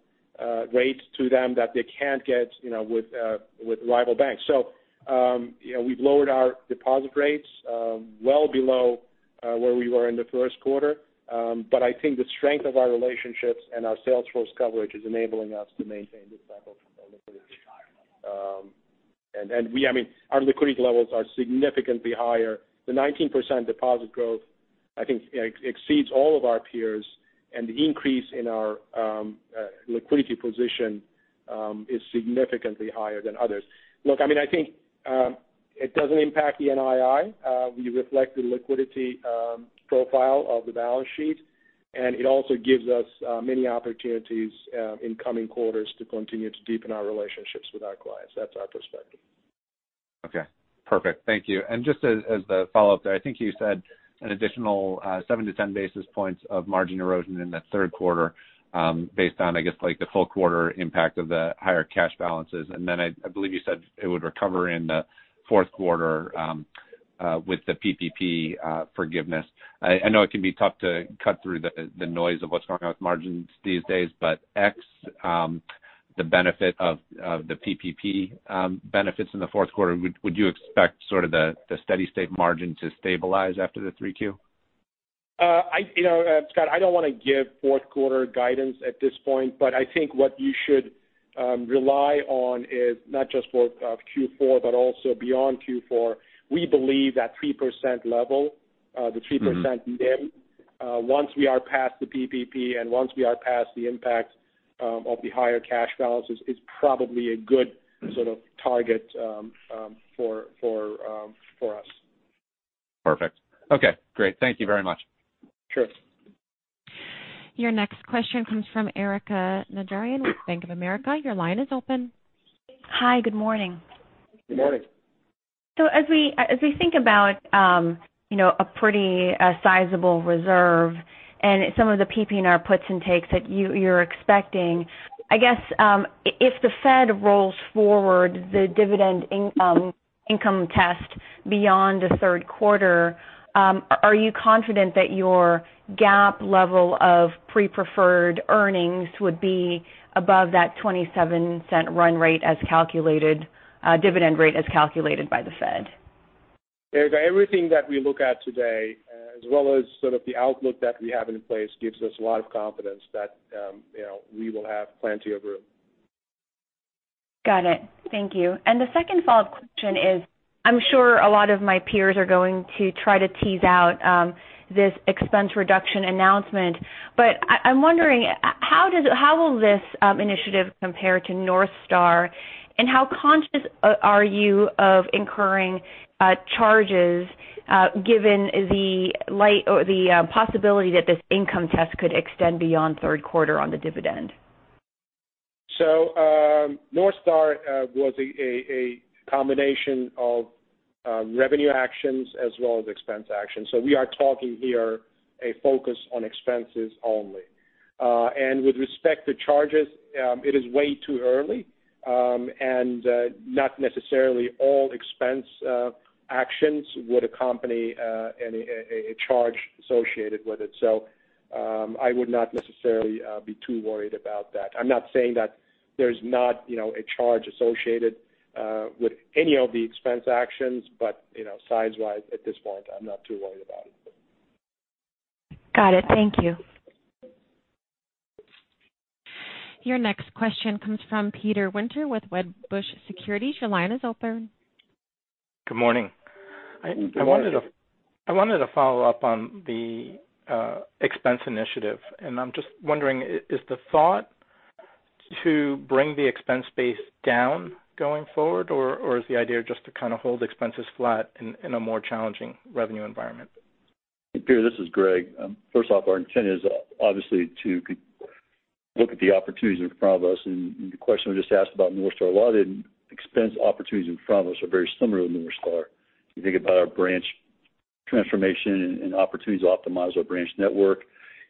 them that they can't get with rival banks. So we've lowered our deposit rates well below where we were in the first quarter. But I think the strength of our relationships and our sales force coverage is enabling us to maintain this type of liquidity. And I mean, our liquidity levels are significantly higher. The 19% deposit growth, I think, exceeds all of our peers. And the increase in our liquidity position is significantly higher than others. Look, I mean, I think it doesn't impact the NII. We reflect the liquidity profile of the balance sheet. And it also gives us many opportunities in coming quarters to continue to deepen our relationships with our clients. That's our perspective. Okay. Perfect. Thank you. And just as the follow-up there, I think you said an additional 7 basis points-10 basis points of margin erosion in the third quarter based on, I guess, the full quarter impact of the higher cash balances. And then I believe you said it would recover in the fourth quarter with the PPP forgiveness. I know it can be tough to cut through the noise of what's going on with margins these days, but, the benefit of the PPP benefits in the fourth quarter, would you expect sort of the steady-state margin to stabilize after the 3Q? Scott, I don't want to give fourth quarter guidance at this point, but I think what you should rely on is not just for Q4, but also beyond Q4. We believe that 3% level, the 3% NIM, once we are past the PPP and once we are past the impact of the higher cash balances, is probably a good sort of target for us. Perfect. Okay. Great. Thank you very much. Sure. Your next question comes from Erika Najarian with Bank of America. Your line is open. Hi. Good morning. Good morning. So as we think about a pretty sizable reserve and some of the PPNR puts and takes that you're expecting, I guess, if the Fed rolls forward the dividend income test beyond the third quarter, are you confident that your gap level of pre-preferred earnings would be above that $0.27 run rate as calculated, dividend rate as calculated by the Fed? Erica, everything that we look at today, as well as sort of the outlook that we have in place, gives us a lot of confidence that we will have plenty of room. Got it. Thank you. And the second follow-up question is, I'm sure a lot of my peers are going to try to tease out this expense reduction announcement. But I'm wondering, how will this initiative compare to North Star? And how conscious are you of incurring charges given the possibility that this income test could extend beyond third quarter on the dividend? So North Star was a combination of revenue actions as well as expense actions. So we are talking here a focus on expenses only. And with respect to charges, it is way too early. And not necessarily all expense actions would accompany a charge associated with it. So I would not necessarily be too worried about that. I'm not saying that there's not a charge associated with any of the expense actions, but size-wise, at this point, I'm not too worried about it. Got it. Thank you. Your next question comes from Peter Winter with Wedbush Securities. Your line is open. Good morning. Hi. Good morning. I wanted to follow up on the expense initiative. I'm just wondering, is the thought to bring the expense base down going forward, or is the idea just to kind of hold expenses flat in a more challenging revenue environment? Peter, this is Greg. First off, our intent is obviously to look at the opportunities in front of us. And the question we just asked about Northstar, a lot of the expense opportunities in front of us are very similar to Northstar. You think about our branch transformation and opportunities to optimize our branch network.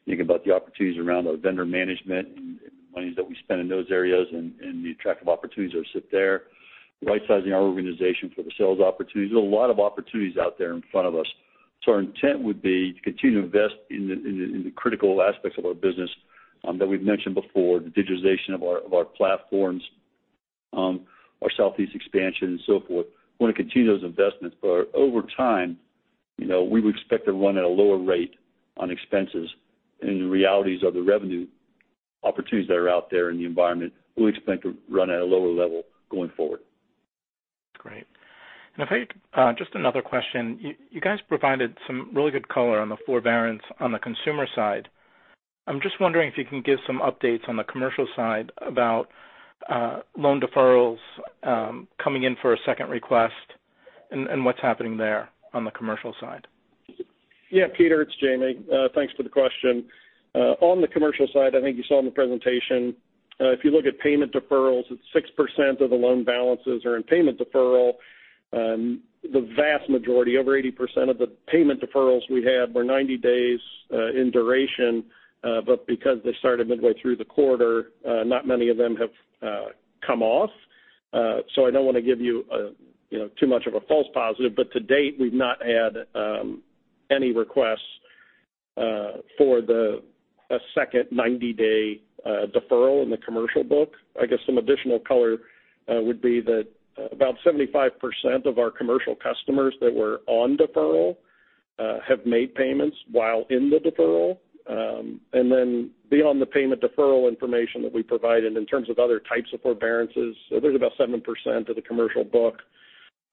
You think about the opportunities around our vendor management and the money that we spend in those areas and the attractive opportunities that sit there. Right-sizing our organization for the sales opportunities. There are a lot of opportunities out there in front of us. So our intent would be to continue to invest in the critical aspects of our business that we've mentioned before, the digitization of our platforms, our Southeast expansion, and so forth. We want to continue those investments. But over time, we would expect to run at a lower rate on expenses. And the realities of the revenue opportunities that are out there in the environment, we expect to run at a lower level going forward. Great. And just another question. You guys provided some really good color on the forbearance on the consumer side. I'm just wondering if you can give some updates on the commercial side about loan deferrals coming in for a second request and what's happening there on the commercial side. Yeah, Peter, it's Jamie. Thanks for the question. On the commercial side, I think you saw in the presentation, if you look at payment deferrals, 6% of the loan balances are in payment deferral. The vast majority, over 80% of the payment deferrals we had were 90 days in duration. But because they started midway through the quarter, not many of them have come off. So I don't want to give you too much of a false positive. But to date, we've not had any requests for a second 90-day deferral in the commercial book. I guess some additional color would be that about 75% of our commercial customers that were on deferral have made payments while in the deferral. And then beyond the payment deferral information that we provided in terms of other types of forbearances, there's about 7% of the commercial book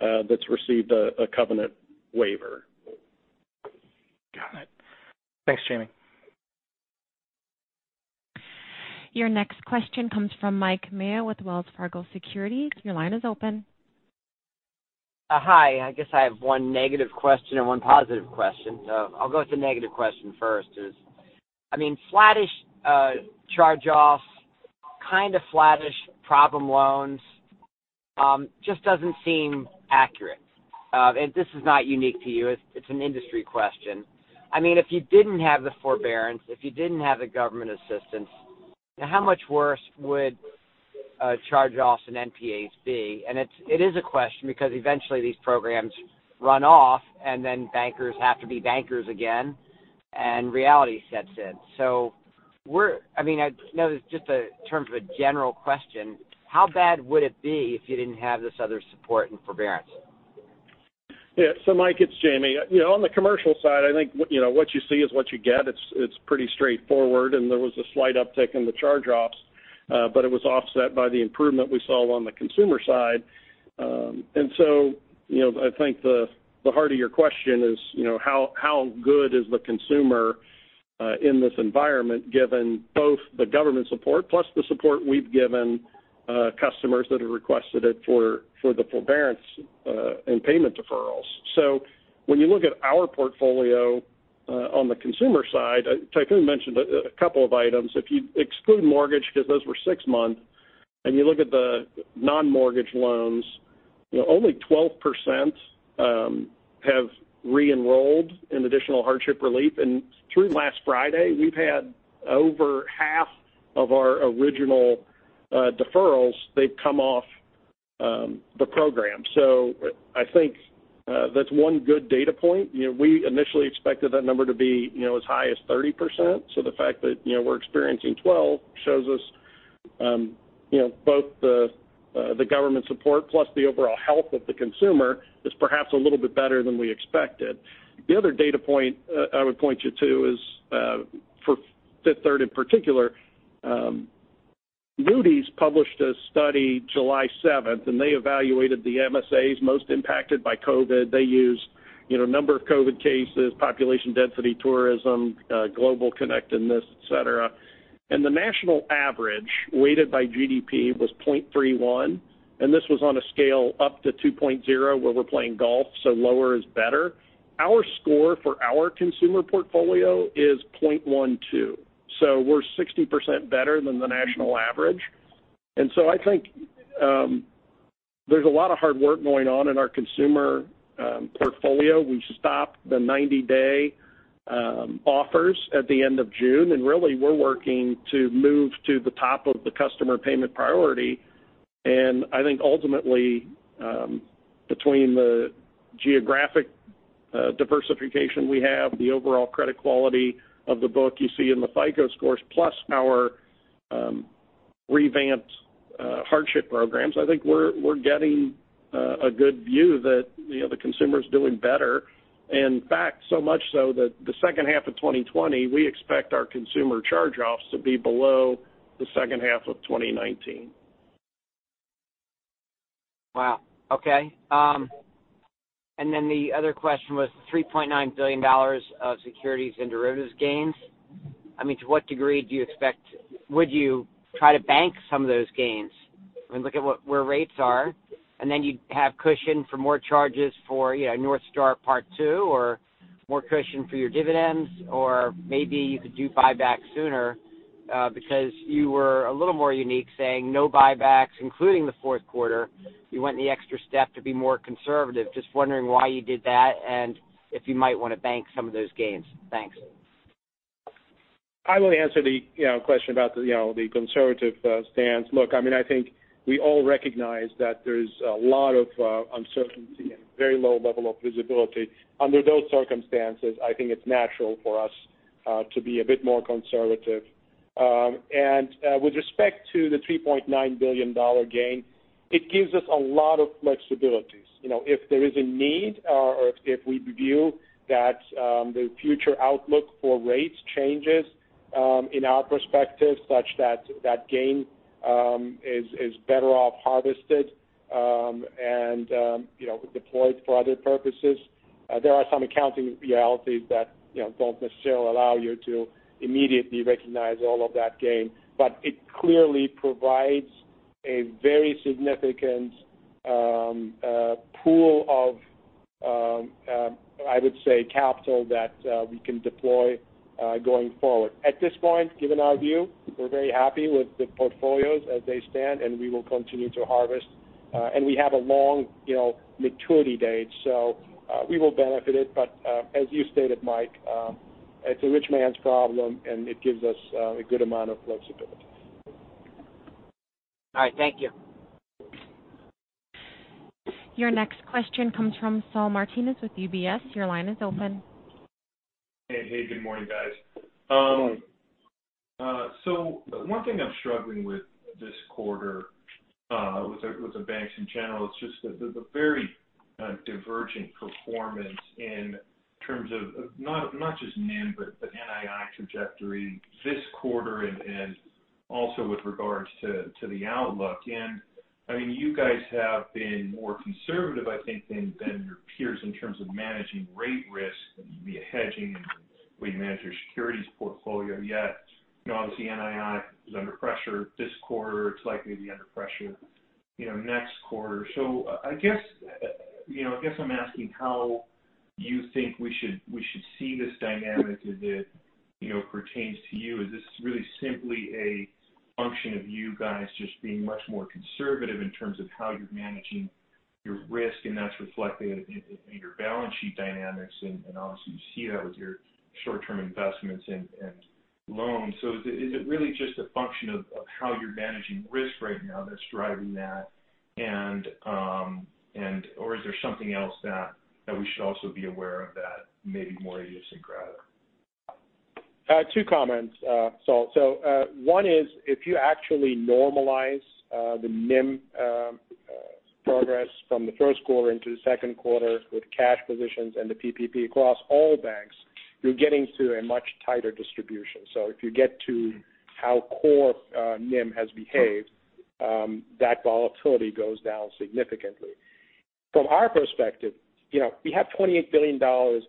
that's received a covenant waiver. Got it. Thanks, Jamie. Your next question comes from Mike Mayo with Wells Fargo Securities. Your line is open. Hi. I guess I have one negative question and one positive question. So I'll go with the negative question first. I mean, slightish charge-offs, kind of slightish problem loans just doesn't seem accurate. And this is not unique to you. It's an industry question. I mean, if you didn't have the forbearance, if you didn't have the government assistance, how much worse would charge-offs and NPAs be? And it is a question because eventually these programs run off and then bankers have to be bankers again. And reality sets in. So I mean, I know it's just in terms of a general question, how bad would it be if you didn't have this other support and forbearance? Yeah. So Mike, it's Jamie. On the commercial side, I think what you see is what you get. It's pretty straightforward. And there was a slight uptick in the charge-offs, but it was offset by the improvement we saw on the consumer side. And so I think the heart of your question is, how good is the consumer in this environment given both the government support plus the support we've given customers that have requested it for the forbearance and payment deferrals? So when you look at our portfolio on the consumer side, Tayfun mentioned a couple of items. If you exclude mortgage, because those were six-month, and you look at the non-mortgage loans, only 12% have re-enrolled in additional hardship relief. And through last Friday, we've had over half of our original deferrals. They've come off the program. So I think that's one good data point. We initially expected that number to be as high as 30%. The fact that we're experiencing 12 shows us both the government support plus the overall health of the consumer is perhaps a little bit better than we expected. The other data point I would point you to is for Fifth Third in particular. Moody's published a study July 7th, and they evaluated the MSAs most impacted by COVID. They used number of COVID cases, population density, tourism, global connectedness, etc. The national average weighted by GDP was 0.31. And this was on a scale up to 2.0 where we're playing golf, so lower is better. Our score for our consumer portfolio is 0.12. We're 60% better than the national average. I think there's a lot of hard work going on in our consumer portfolio. We stopped the 90-day offers at the end of June. And really, we're working to move to the top of the customer payment priority. And I think ultimately, between the geographic diversification we have, the overall credit quality of the book you see in the FICO scores plus our revamped hardship programs, I think we're getting a good view that the consumer is doing better. And in fact, so much so that the second half of 2020, we expect our consumer charge-offs to be below the second half of 2019. Wow. Okay. And then the other question was $3.9 billion of securities and derivatives gains. I mean, to what degree do you expect would you try to bank some of those gains? I mean, look at where rates are. And then you'd have cushion for more charges for Northstar Part 2 or more cushion for your dividends. Or maybe you could do buyback sooner because you were a little more unique saying no buybacks, including the fourth quarter. You went the extra step to be more conservative. Just wondering why you did that and if you might want to bank some of those gains. Thanks. I will answer the question about the conservative stance. Look, I mean, I think we all recognize that there's a lot of uncertainty and very low level of visibility. Under those circumstances, I think it's natural for us to be a bit more conservative. And with respect to the $3.9 billion gain, it gives us a lot of flexibilities. If there is a need or if we view that the future outlook for rates changes in our perspective such that that gain is better off harvested and deployed for other purposes, there are some accounting realities that don't necessarily allow you to immediately recognize all of that gain. But it clearly provides a very significant pool of, I would say, capital that we can deploy going forward. At this point, given our view, we're very happy with the portfolios as they stand, and we will continue to harvest. And we have a long maturity date, so we will benefit it. But as you stated, Mike, it's a rich man's problem, and it gives us a good amount of flexibility. All right. Thank you. Your next question comes from Saul Martinez with UBS. Your line is open. Hey, good morning, guys. Good morning. So one thing I'm struggling with this quarter with the banks in general is just the very divergent performance in terms of not just NIM, but NII trajectory this quarter and also with regards to the outlook. And I mean, you guys have been more conservative, I think, than your peers in terms of managing rate risk and hedging and the way you manage your securities portfolio. Yet, obviously, NII is under pressure this quarter. It's likely to be under pressure next quarter. So I guess I'm asking how you think we should see this dynamic. As it pertains to you? Is this really simply a function of you guys just being much more conservative in terms of how you're managing your risk? And that's reflected in your balance sheet dynamics. And obviously, you see that with your short-term investments and loans. Is it really just a function of how you're managing risk right now that's driving that? Or is there something else that we should also be aware of that may be more idiosyncratic? Two comments, Saul. One is if you actually normalize the NIM progress from the first quarter into the second quarter with cash positions and the PPP across all banks, you're getting to a much tighter distribution. If you get to how core NIM has behaved, that volatility goes down significantly. From our perspective, we have $28 billion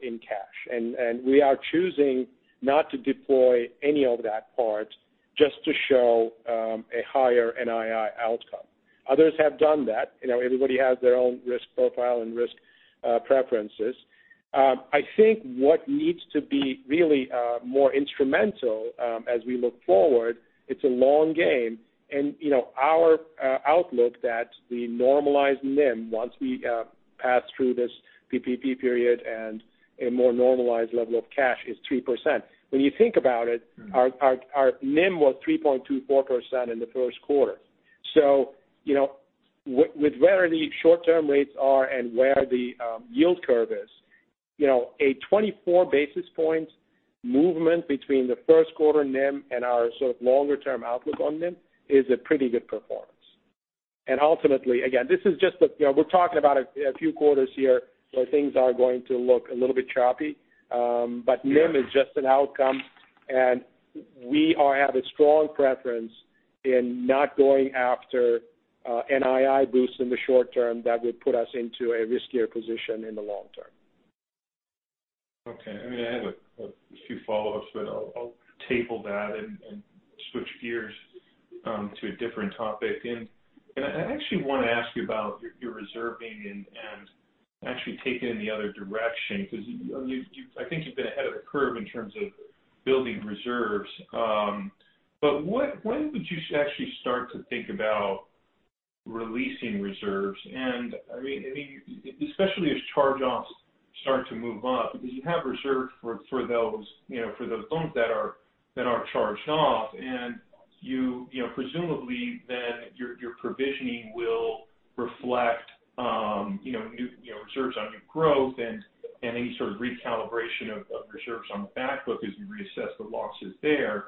in cash, and we are choosing not to deploy any of that part just to show a higher NII outcome. Others have done that. Everybody has their own risk profile and risk preferences. I think what needs to be really more instrumental as we look forward. It's a long game. Our outlook that the normalized NIM, once we pass through this PPP period and a more normalized level of cash, is 3%. When you think about it, our NIM was 3.24% in the first quarter, so with where the short-term rates are and where the yield curve is, a 24 basis point movement between the first quarter NIM and our sort of longer-term outlook on NIM is a pretty good performance. Ultimately, again, this is just we're talking about a few quarters here where things are going to look a little bit choppy, but NIM is just an outcome. We have a strong preference in not going after NII boosts in the short term that would put us into a riskier position in the long term. Okay. I mean, I have a few follow-ups, but I'll table that and switch gears to a different topic. And I actually want to ask you about your reserving and actually taking it in the other direction because I think you've been ahead of the curve in terms of building reserves. But when would you actually start to think about releasing reserves? And I mean, especially as charge-offs start to move up because you have reserved for those loans that are charged off. And presumably, then your provisioning will reflect reserves on your growth and any sort of recalibration of reserves on the back book as you reassess the losses there.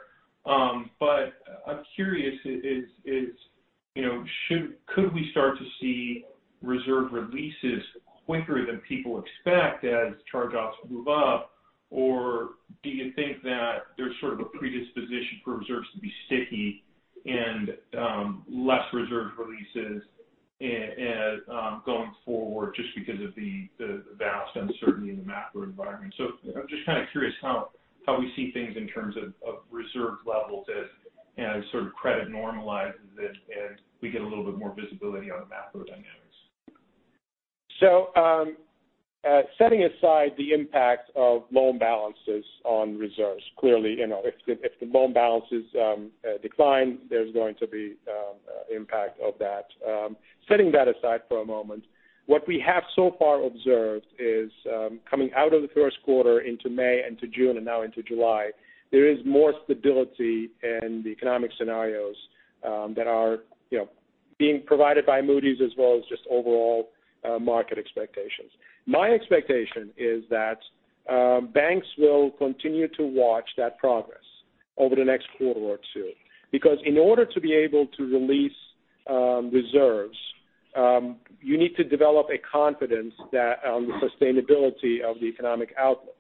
But I'm curious, could we start to see reserve releases quicker than people expect as charge-offs move up? Or do you think that there's sort of a predisposition for reserves to be sticky and less reserve releases going forward just because of the vast uncertainty in the macro environment? I'm just kind of curious how we see things in terms of reserve levels as sort of credit normalizes and we get a little bit more visibility on the macro dynamics. Setting aside the impact of loan balances on reserves, clearly, if the loan balances decline, there's going to be an impact of that. Setting that aside for a moment, what we have so far observed is coming out of the first quarter into May and to June and now into July, there is more stability in the economic scenarios that are being provided by Moody's as well as just overall market expectations. My expectation is that banks will continue to watch that progress over the next quarter or two because in order to be able to release reserves, you need to develop a confidence on the sustainability of the economic outlook.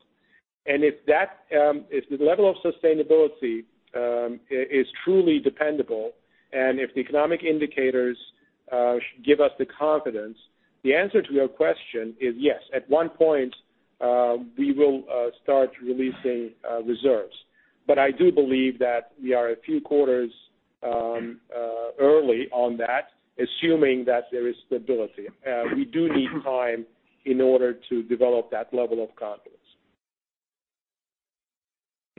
And if the level of sustainability is truly dependable and if the economic indicators give us the confidence, the answer to your question is yes. At one point, we will start releasing reserves. But I do believe that we are a few quarters early on that, assuming that there is stability. We do need time in order to develop that level of confidence.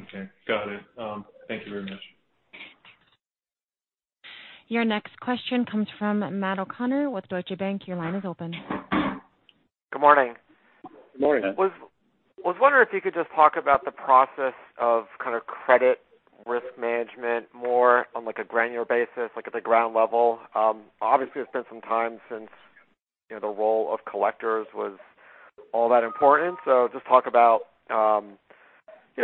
Okay. Got it. Thank you very much. Your next question comes from Matt O'Connor with Deutsche Bank. Your line is open. Good morning. Good morning. I was wondering if you could just talk about the process of kind of credit risk management more on a granular basis, like at the ground level. Obviously, it's been some time since the role of collectors was all that important. So just talk about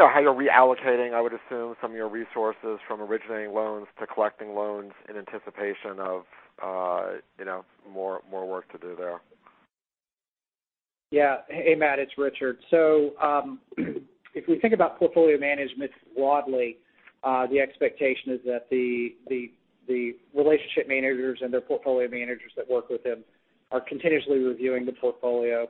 how you're reallocating, I would assume, some of your resources from originating loans to collecting loans in anticipation of more work to do there? Yeah. Hey, Matt, it's Richard. So if we think about portfolio management broadly, the expectation is that the relationship managers and their portfolio managers that work with them are continuously reviewing the portfolio.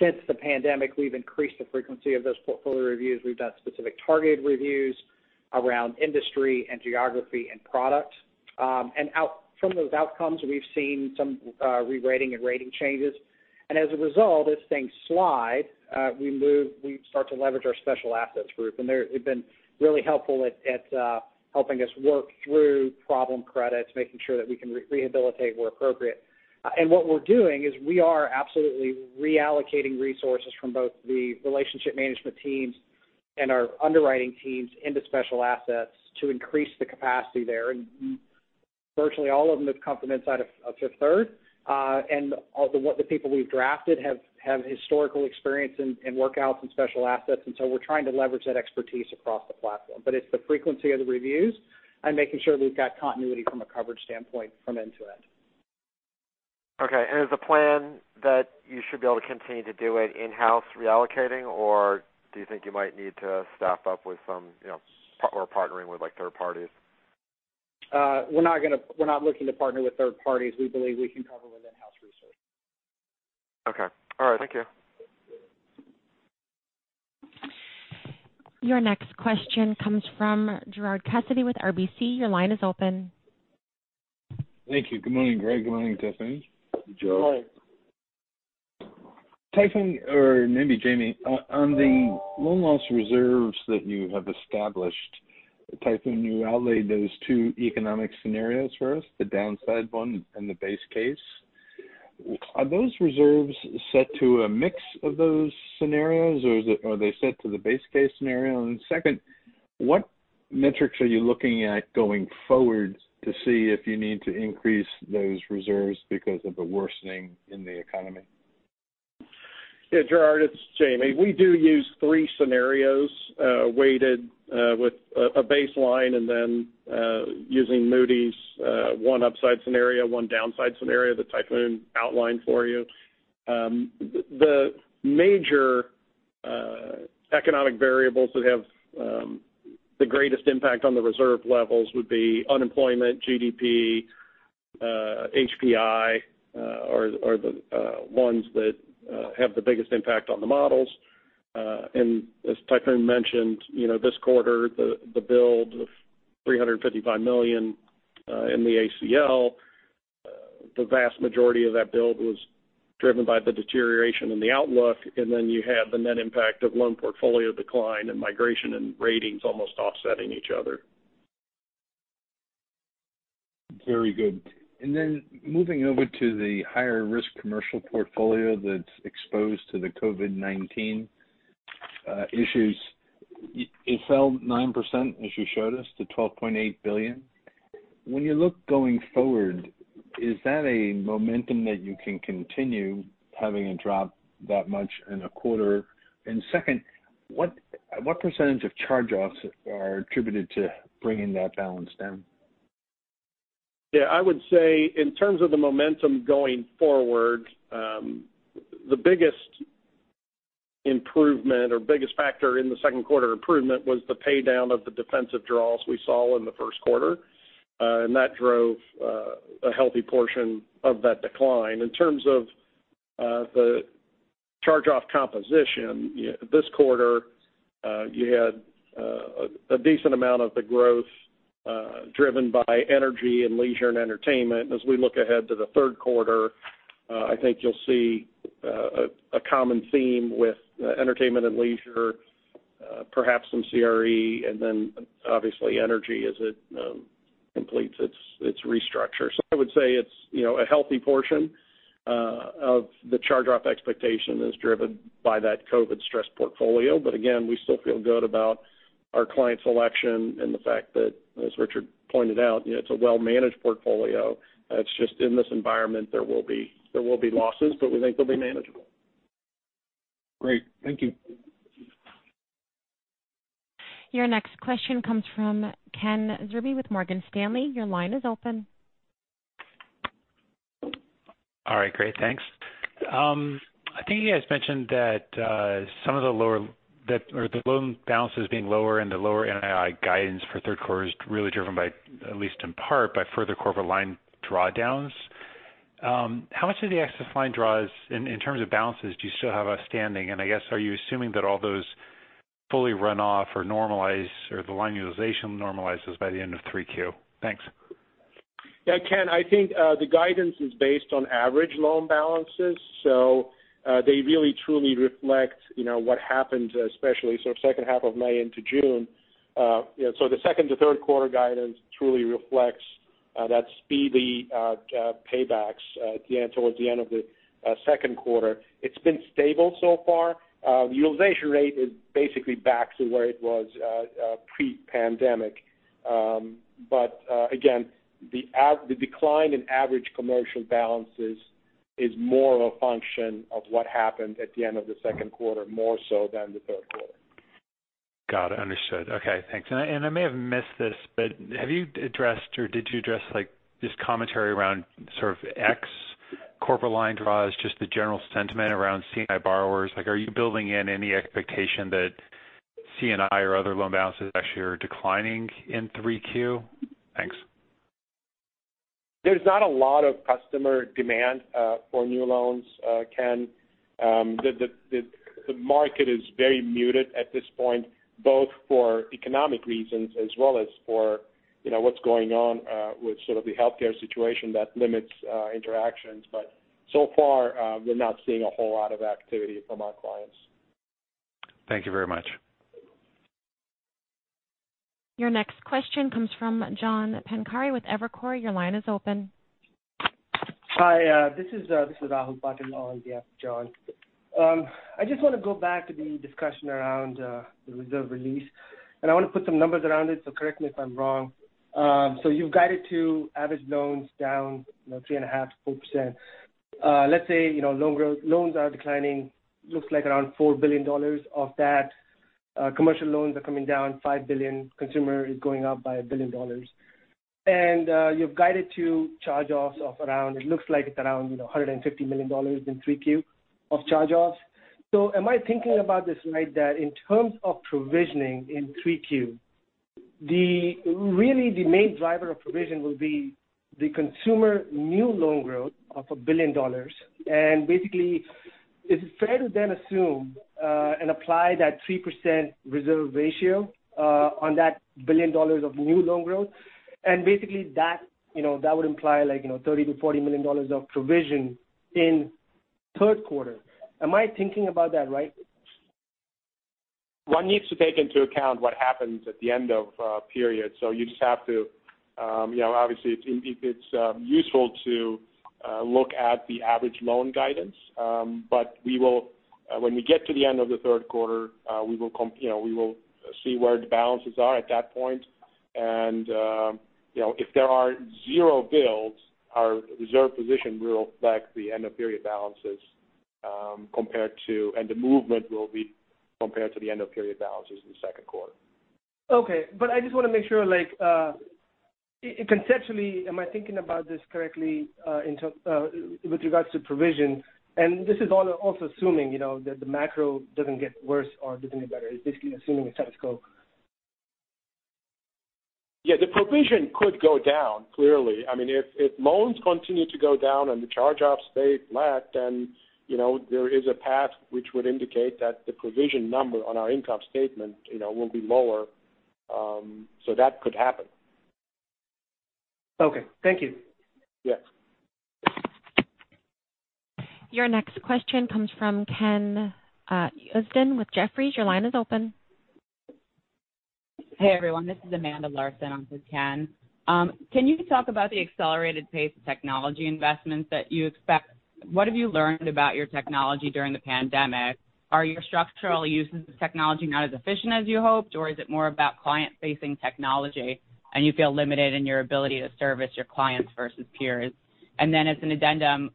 Since the pandemic, we've increased the frequency of those portfolio reviews. We've done specific targeted reviews around industry and geography and product. And from those outcomes, we've seen some re-rating and rating changes. And as a result, as things slide, we start to leverage our Special Assets Group. And they've been really helpful at helping us work through problem credits, making sure that we can rehabilitate where appropriate. What we're doing is we are absolutely reallocating resources from both the relationship management teams and our underwriting teams into special assets to increase the capacity there. Virtually all of them have come from inside of Fifth Third. The people we've drafted have historical experience in workouts and special assets. So we're trying to leverage that expertise across the platform. But it's the frequency of the reviews and making sure we've got continuity from a coverage standpoint from end to end. Okay. And is the plan that you should be able to continue to do it in-house reallocating, or do you think you might need to staff up with some or partnering with third parties? We're not looking to partner with third parties. We believe we can cover with in-house resources. Okay. All right. Thank you. Your next question comes from Gerard Cassidy with RBC. Your line is open. Thank you. Good morning, Greg. Good morning, Tayfun. Hi. Tayfun or maybe Jamie, on the loan loss reserves that you have established, Tayfun, you outlined those two economic scenarios for us, the downside one and the base case. Are those reserves set to a mix of those scenarios, or are they set to the base case scenario? And second, what metrics are you looking at going forward to see if you need to increase those reserves because of the worsening in the economy? Yeah, Gerard, it's Jamie. We do use three scenarios weighted with a baseline and then using Moody's one upside scenario, one downside scenario that Tayfun outlined for you. The major economic variables that have the greatest impact on the reserve levels would be unemployment, GDP, HPI, or the ones that have the biggest impact on the models. As Tayfun mentioned, this quarter, the build of $355 million in the ACL, the vast majority of that build was driven by the deterioration in the outlook. And then you had the net impact of loan portfolio decline and migration and ratings almost offsetting each other. Very good. And then moving over to the higher risk commercial portfolio that's exposed to the COVID-19 issues, it fell 9%, as you showed us, to $12.8 billion. When you look going forward, is that a momentum that you can continue having a drop that much in a quarter? And second, what percentage of charge-offs are attributed to bringing that balance down? Yeah. I would say in terms of the momentum going forward, the biggest improvement or biggest factor in the second quarter improvement was the paydown of the defensive draws we saw in the first quarter. That drove a healthy portion of that decline. In terms of the charge-off composition, this quarter, you had a decent amount of the growth driven by energy and leisure and entertainment. As we look ahead to the third quarter, I think you'll see a common theme with entertainment and leisure, perhaps some CRE, and then obviously energy as it completes its restructure. So I would say it's a healthy portion of the charge-off expectation that's driven by that COVID stress portfolio. But again, we still feel good about our client selection and the fact that, as Richard pointed out, it's a well-managed portfolio. It's just in this environment, there will be losses, but we think they'll be manageable. Great. Thank you. Your next question comes from Ken Zerbe with Morgan Stanley. Your line is open. All right. Great. Thanks. I think you guys mentioned that some of the lower or the loan balances being lower and the lower NII guidance for third quarter is really driven by, at least in part, by further corporate line drawdowns. How much of the excess line draws in terms of balances do you still have outstanding? And I guess, are you assuming that all those fully run off or normalize or the line utilization normalizes by the end of 3Q? Thanks. Yeah, Ken, I think the guidance is based on average loan balances. So they really truly reflect what happened, especially sort of second half of May into June. So the second to third quarter guidance truly reflects that speedy paybacks towards the end of the second quarter. It's been stable so far. The utilization rate is basically back to where it was pre-pandemic. But again, the decline in average commercial balances is more a function of what happened at the end of the second quarter more so than the third quarter. Got it. Understood. Okay. Thanks. And I may have missed this, but have you addressed or did you address this commentary around sort of ex-corporate line draws, just the general sentiment around C&I borrowers? Are you building in any expectation that C&I or other loan balances actually are declining in 3Q? Thanks. There's not a lot of customer demand for new loans, Ken. The market is very muted at this point, both for economic reasons as well as for what's going on with sort of the healthcare situation that limits interactions. But so far, we're not seeing a whole lot of activity from our clients. Thank you very much. Your next question comes from John Pancari with Evercore. Your line is open. Hi. This is Rahul Patil on for Evercore, John. I just want to go back to the discussion around the reserve release, and I want to put some numbers around it, so correct me if I'm wrong. You've guided to average loans down 3.5%-4%. Let's say loans are declining, looks like around $4 billion off that. Commercial loans are coming down $5 billion. Consumer is going up by $1 billion. You've guided to charge-offs of around, it looks like it's around $150 million in 3Q of charge-offs. Am I thinking about this right that in terms of provisioning in 3Q, really the main driver of provision will be the consumer new loan growth of $1 billion? And basically, is it fair to then assume and apply that 3% reserve ratio on that $1 billion of new loan growth? Basically, that would imply like $30 million-$40 million of provision in third quarter. Am I thinking about that right? One needs to take into account what happens at the end of a period. You just have to, obviously, it's useful to look at the average loan guidance. When we get to the end of the third quarter, we will see where the balances are at that point. If there are zero builds, our reserve position will reflect the end-of-period balances compared to, and the movement will be compared to the end-of-period balances in the second quarter. Okay. I just want to make sure, conceptually, am I thinking about this correctly with regards to provision? This is all also assuming that the macro doesn't get worse or doesn't get better. It's basically assuming a status quo. Yeah. The provision could go down, clearly. I mean, if loans continue to go down and the charge-offs stay flat, then there is a path which would indicate that the provision number on our income statement will be lower. So that could happen. Okay. Thank you. Yes. Your next question comes from Ken Usdin with Jefferies. Your line is open. Hey, everyone. This is Amanda Larsen on Ken. Can you talk about the accelerated pace of technology investments that you expect? What have you learned about your technology during the pandemic? Are your structural uses of technology not as efficient as you hoped, or is it more about client-facing technology and you feel limited in your ability to service your clients versus peers? And then as an addendum,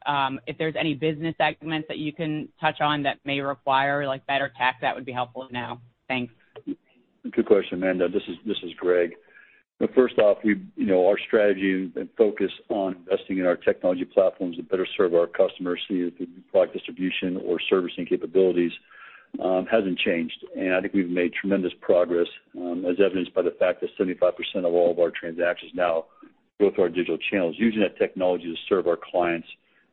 if there's any business segments that you can touch on that may require better tech, that would be helpful to know. Thanks. Good question, Amanda. This is Greg. First off, our strategy and focus on investing in our technology platforms to better serve our customers, see if the new product distribution or servicing capabilities hasn't changed, and I think we've made tremendous progress, as evidenced by the fact that 75% of all of our transactions now go through our digital channels using that technology to serve our clients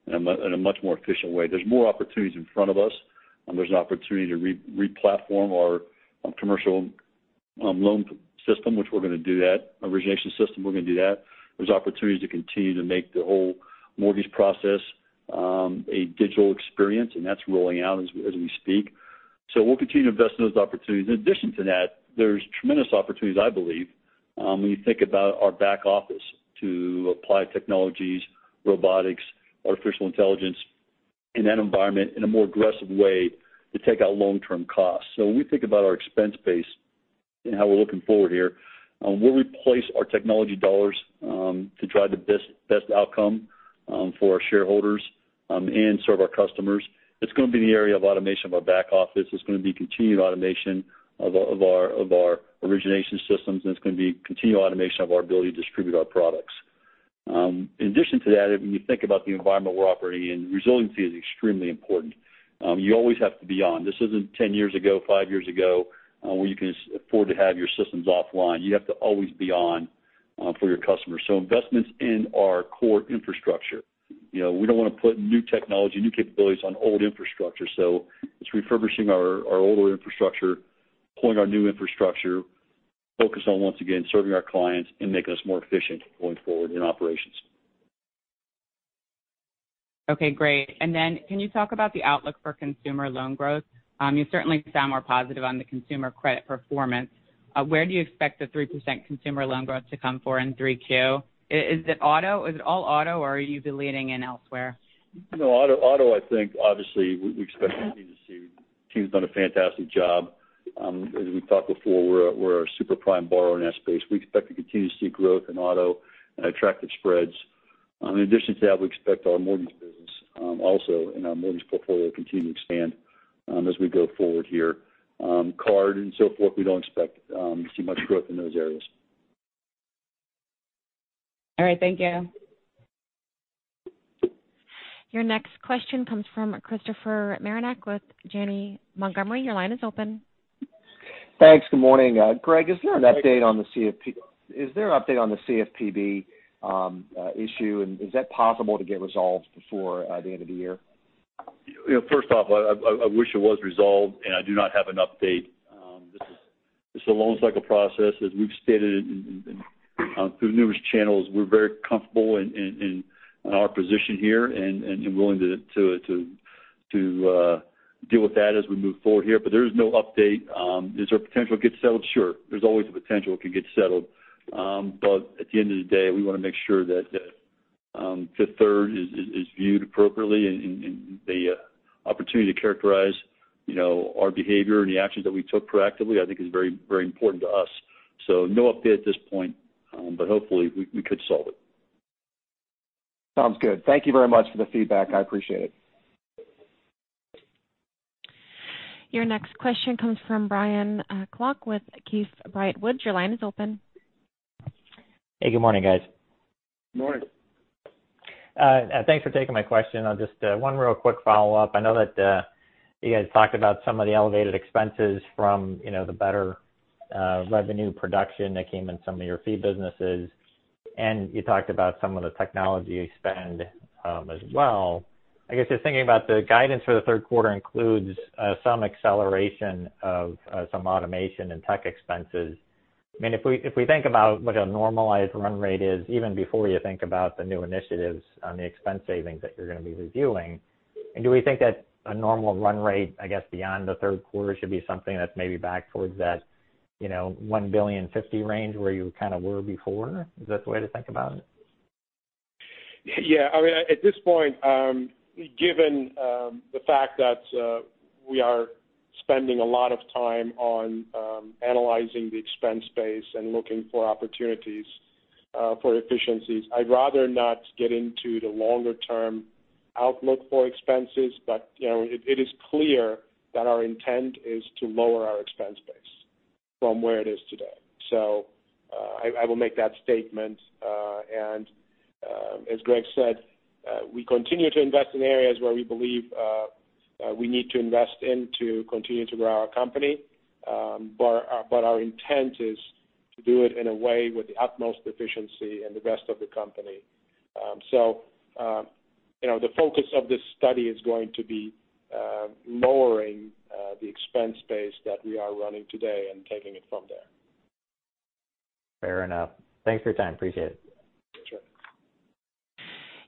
in a much more efficient way. There's more opportunities in front of us. There's an opportunity to replatform our commercial loan system, which we're going to do that. Origination system, we're going to do that. There's opportunities to continue to make the whole mortgage process a digital experience, and that's rolling out as we speak, so we'll continue to invest in those opportunities. In addition to that, there's tremendous opportunities, I believe, when you think about our back office to apply technologies, robotics, artificial intelligence in that environment in a more aggressive way to take out long-term costs. So when we think about our expense base and how we're looking forward here, we'll replace our technology dollars to drive the best outcome for our shareholders and serve our customers. It's going to be in the area of automation of our back office. It's going to be continued automation of our origination systems, and it's going to be continued automation of our ability to distribute our products. In addition to that, when you think about the environment we're operating in, resiliency is extremely important. You always have to be on. This isn't 10 years ago, five years ago where you can afford to have your systems offline. You have to always be on for your customers. So investments in our core infrastructure. We don't want to put new technology, new capabilities on old infrastructure. So it's refurbishing our older infrastructure, building our new infrastructure, focus on, once again, serving our clients and making us more efficient going forward in operations. Okay. Great. Then can you talk about the outlook for consumer loan growth? You certainly sound more positive on the consumer credit performance. Where do you expect the 3% consumer loan growth to come from in 3Q? Is it auto? Is it all auto, or are you seeing it elsewhere? No, auto. I think, obviously, we expect to continue to see they've done a fantastic job. As we talked before, we're a super prime borrower in that space. We expect to continue to see growth in auto and attractive spreads. In addition to that, we expect our mortgage business also in our mortgage portfolio to continue to expand as we go forward here. Card and so forth, we don't expect to see much growth in those areas. All right. Thank you. Your next question comes from Christopher Marinac with Janney Montgomery Scott. Your line is open. Thanks. Good morning. Greg, is there an update on the CFPB? Is there an update on the CFPB issue, and is that possible to get resolved before the end of the year? First off, I wish it was resolved, and I do not have an update. This is a loan cycle process. As we've stated through numerous channels, we're very comfortable in our position here and willing to deal with that as we move forward here. But there is no update. Is there a potential to get settled? Sure. There's always a potential it can get settled. But at the end of the day, we want to make sure that Fifth Third is viewed appropriately. And the opportunity to characterize our behavior and the actions that we took proactively, I think, is very, very important to us. So no update at this point, but hopefully, we could solve it. Sounds good. Thank you very much for the feedback. I appreciate it. Your next question comes from Brian Klock with Keefe, Bruyette & Woods. Your line is open. Hey. Good morning, guys. Good morning. Thanks for taking my question. Just one real quick follow-up. I know that you guys talked about some of the elevated expenses from the better revenue production that came in some of your fee businesses. And you talked about some of the technology spend as well. I guess just thinking about the guidance for the third quarter includes some acceleration of some automation and tech expenses. I mean, if we think about what a normalized run rate is, even before you think about the new initiatives on the expense savings that you're going to be reviewing, do we think that a normal run rate, I guess, beyond the third quarter should be something that's maybe back towards that $1.050 billion range where you kind of were before? Is that the way to think about it? Yeah. I mean, at this point, given the fact that we are spending a lot of time on analyzing the expense space and looking for opportunities for efficiencies, I'd rather not get into the longer-term outlook for expenses. But it is clear that our intent is to lower our expense base from where it is today. So I will make that statement. And as Greg said, we continue to invest in areas where we believe we need to invest in to continue to grow our company. But our intent is to do it in a way with the utmost efficiency in the rest of the company. So the focus of this study is going to be lowering the expense base that we are running today and taking it from there. Fair enough. Thanks for your time. Appreciate it.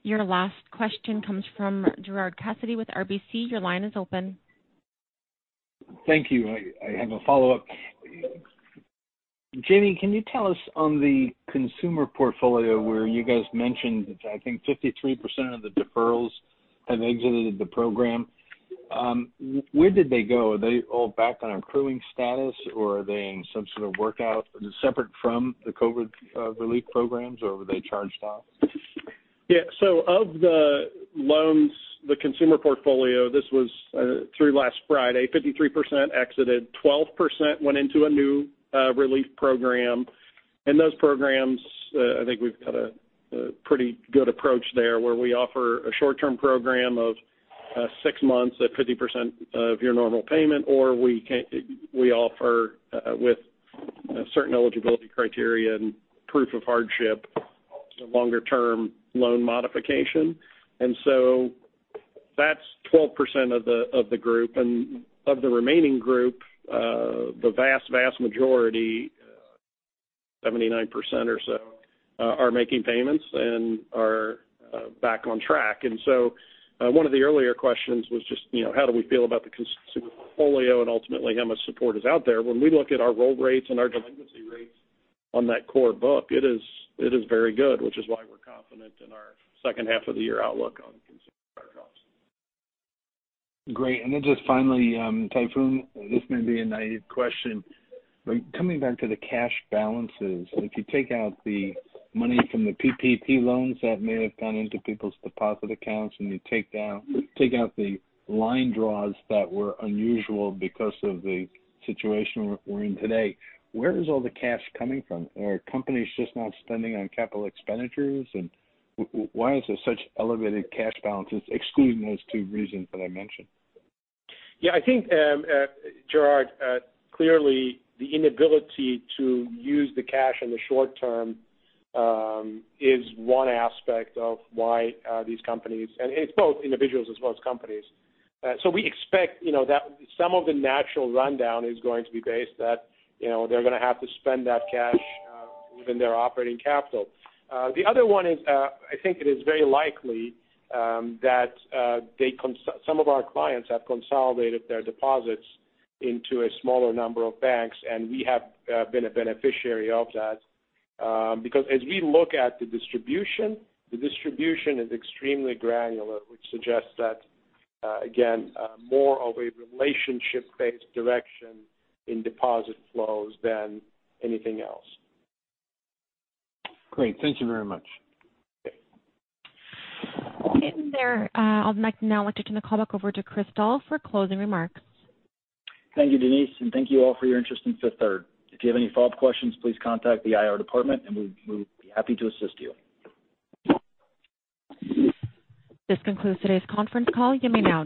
Sure. Your last question comes from Gerard Cassidy with RBC. Your line is open. Thank you. I have a follow-up. Jamie, can you tell us on the consumer portfolio where you guys mentioned that, I think, 53% of the deferrals have exited the program? Where did they go? Are they all back on accruing status, or are they in some sort of workout separate from the COVID relief programs, or were they charged off? Yeah. So of the loans, the consumer portfolio, this was through last Friday, 53% exited, 12% went into a new relief program. And those programs, I think we've got a pretty good approach there where we offer a short-term program of six months at 50% of your normal payment, or we offer with certain eligibility criteria and proof of hardship, longer-term loan modification. And so that's 12% of the group. And of the remaining group, the vast, vast majority, 79% or so, are making payments and are back on track. And so one of the earlier questions was just, how do we feel about the consumer portfolio and ultimately how much support is out there? When we look at our roll rates and our delinquency rates on that core book, it is very good, which is why we're confident in our second half of the year outlook on consumer charge-offs. Great. And then just finally, Tayfun, this may be a naive question, but coming back to the cash balances, if you take out the money from the PPP loans that may have gone into people's deposit accounts and you take out the line draws that were unusual because of the situation we're in today, where is all the cash coming from? Are companies just not spending on capital expenditures, and why is there such elevated cash balances excluding those two reasons that I mentioned? Yeah. I think, Gerard, clearly, the inability to use the cash in the short term is one aspect of why these companies, and it's both individuals as well as companies. So we expect that some of the natural rundown is going to be based that they're going to have to spend that cash within their operating capital. The other one is, I think it is very likely that some of our clients have consolidated their deposits into a smaller number of banks, and we have been a beneficiary of that. Because as we look at the distribution, the distribution is extremely granular, which suggests that, again, more of a relationship-based direction in deposit flows than anything else. Great. Thank you very much. With that, I'll now turn the call back over to Chris Doll for closing remarks. Thank you, Denise. And thank you all for your interest in Fifth Third. If you have any follow-up questions, please contact the IR department, and we'll be happy to assist you. This concludes today's conference call. You may now.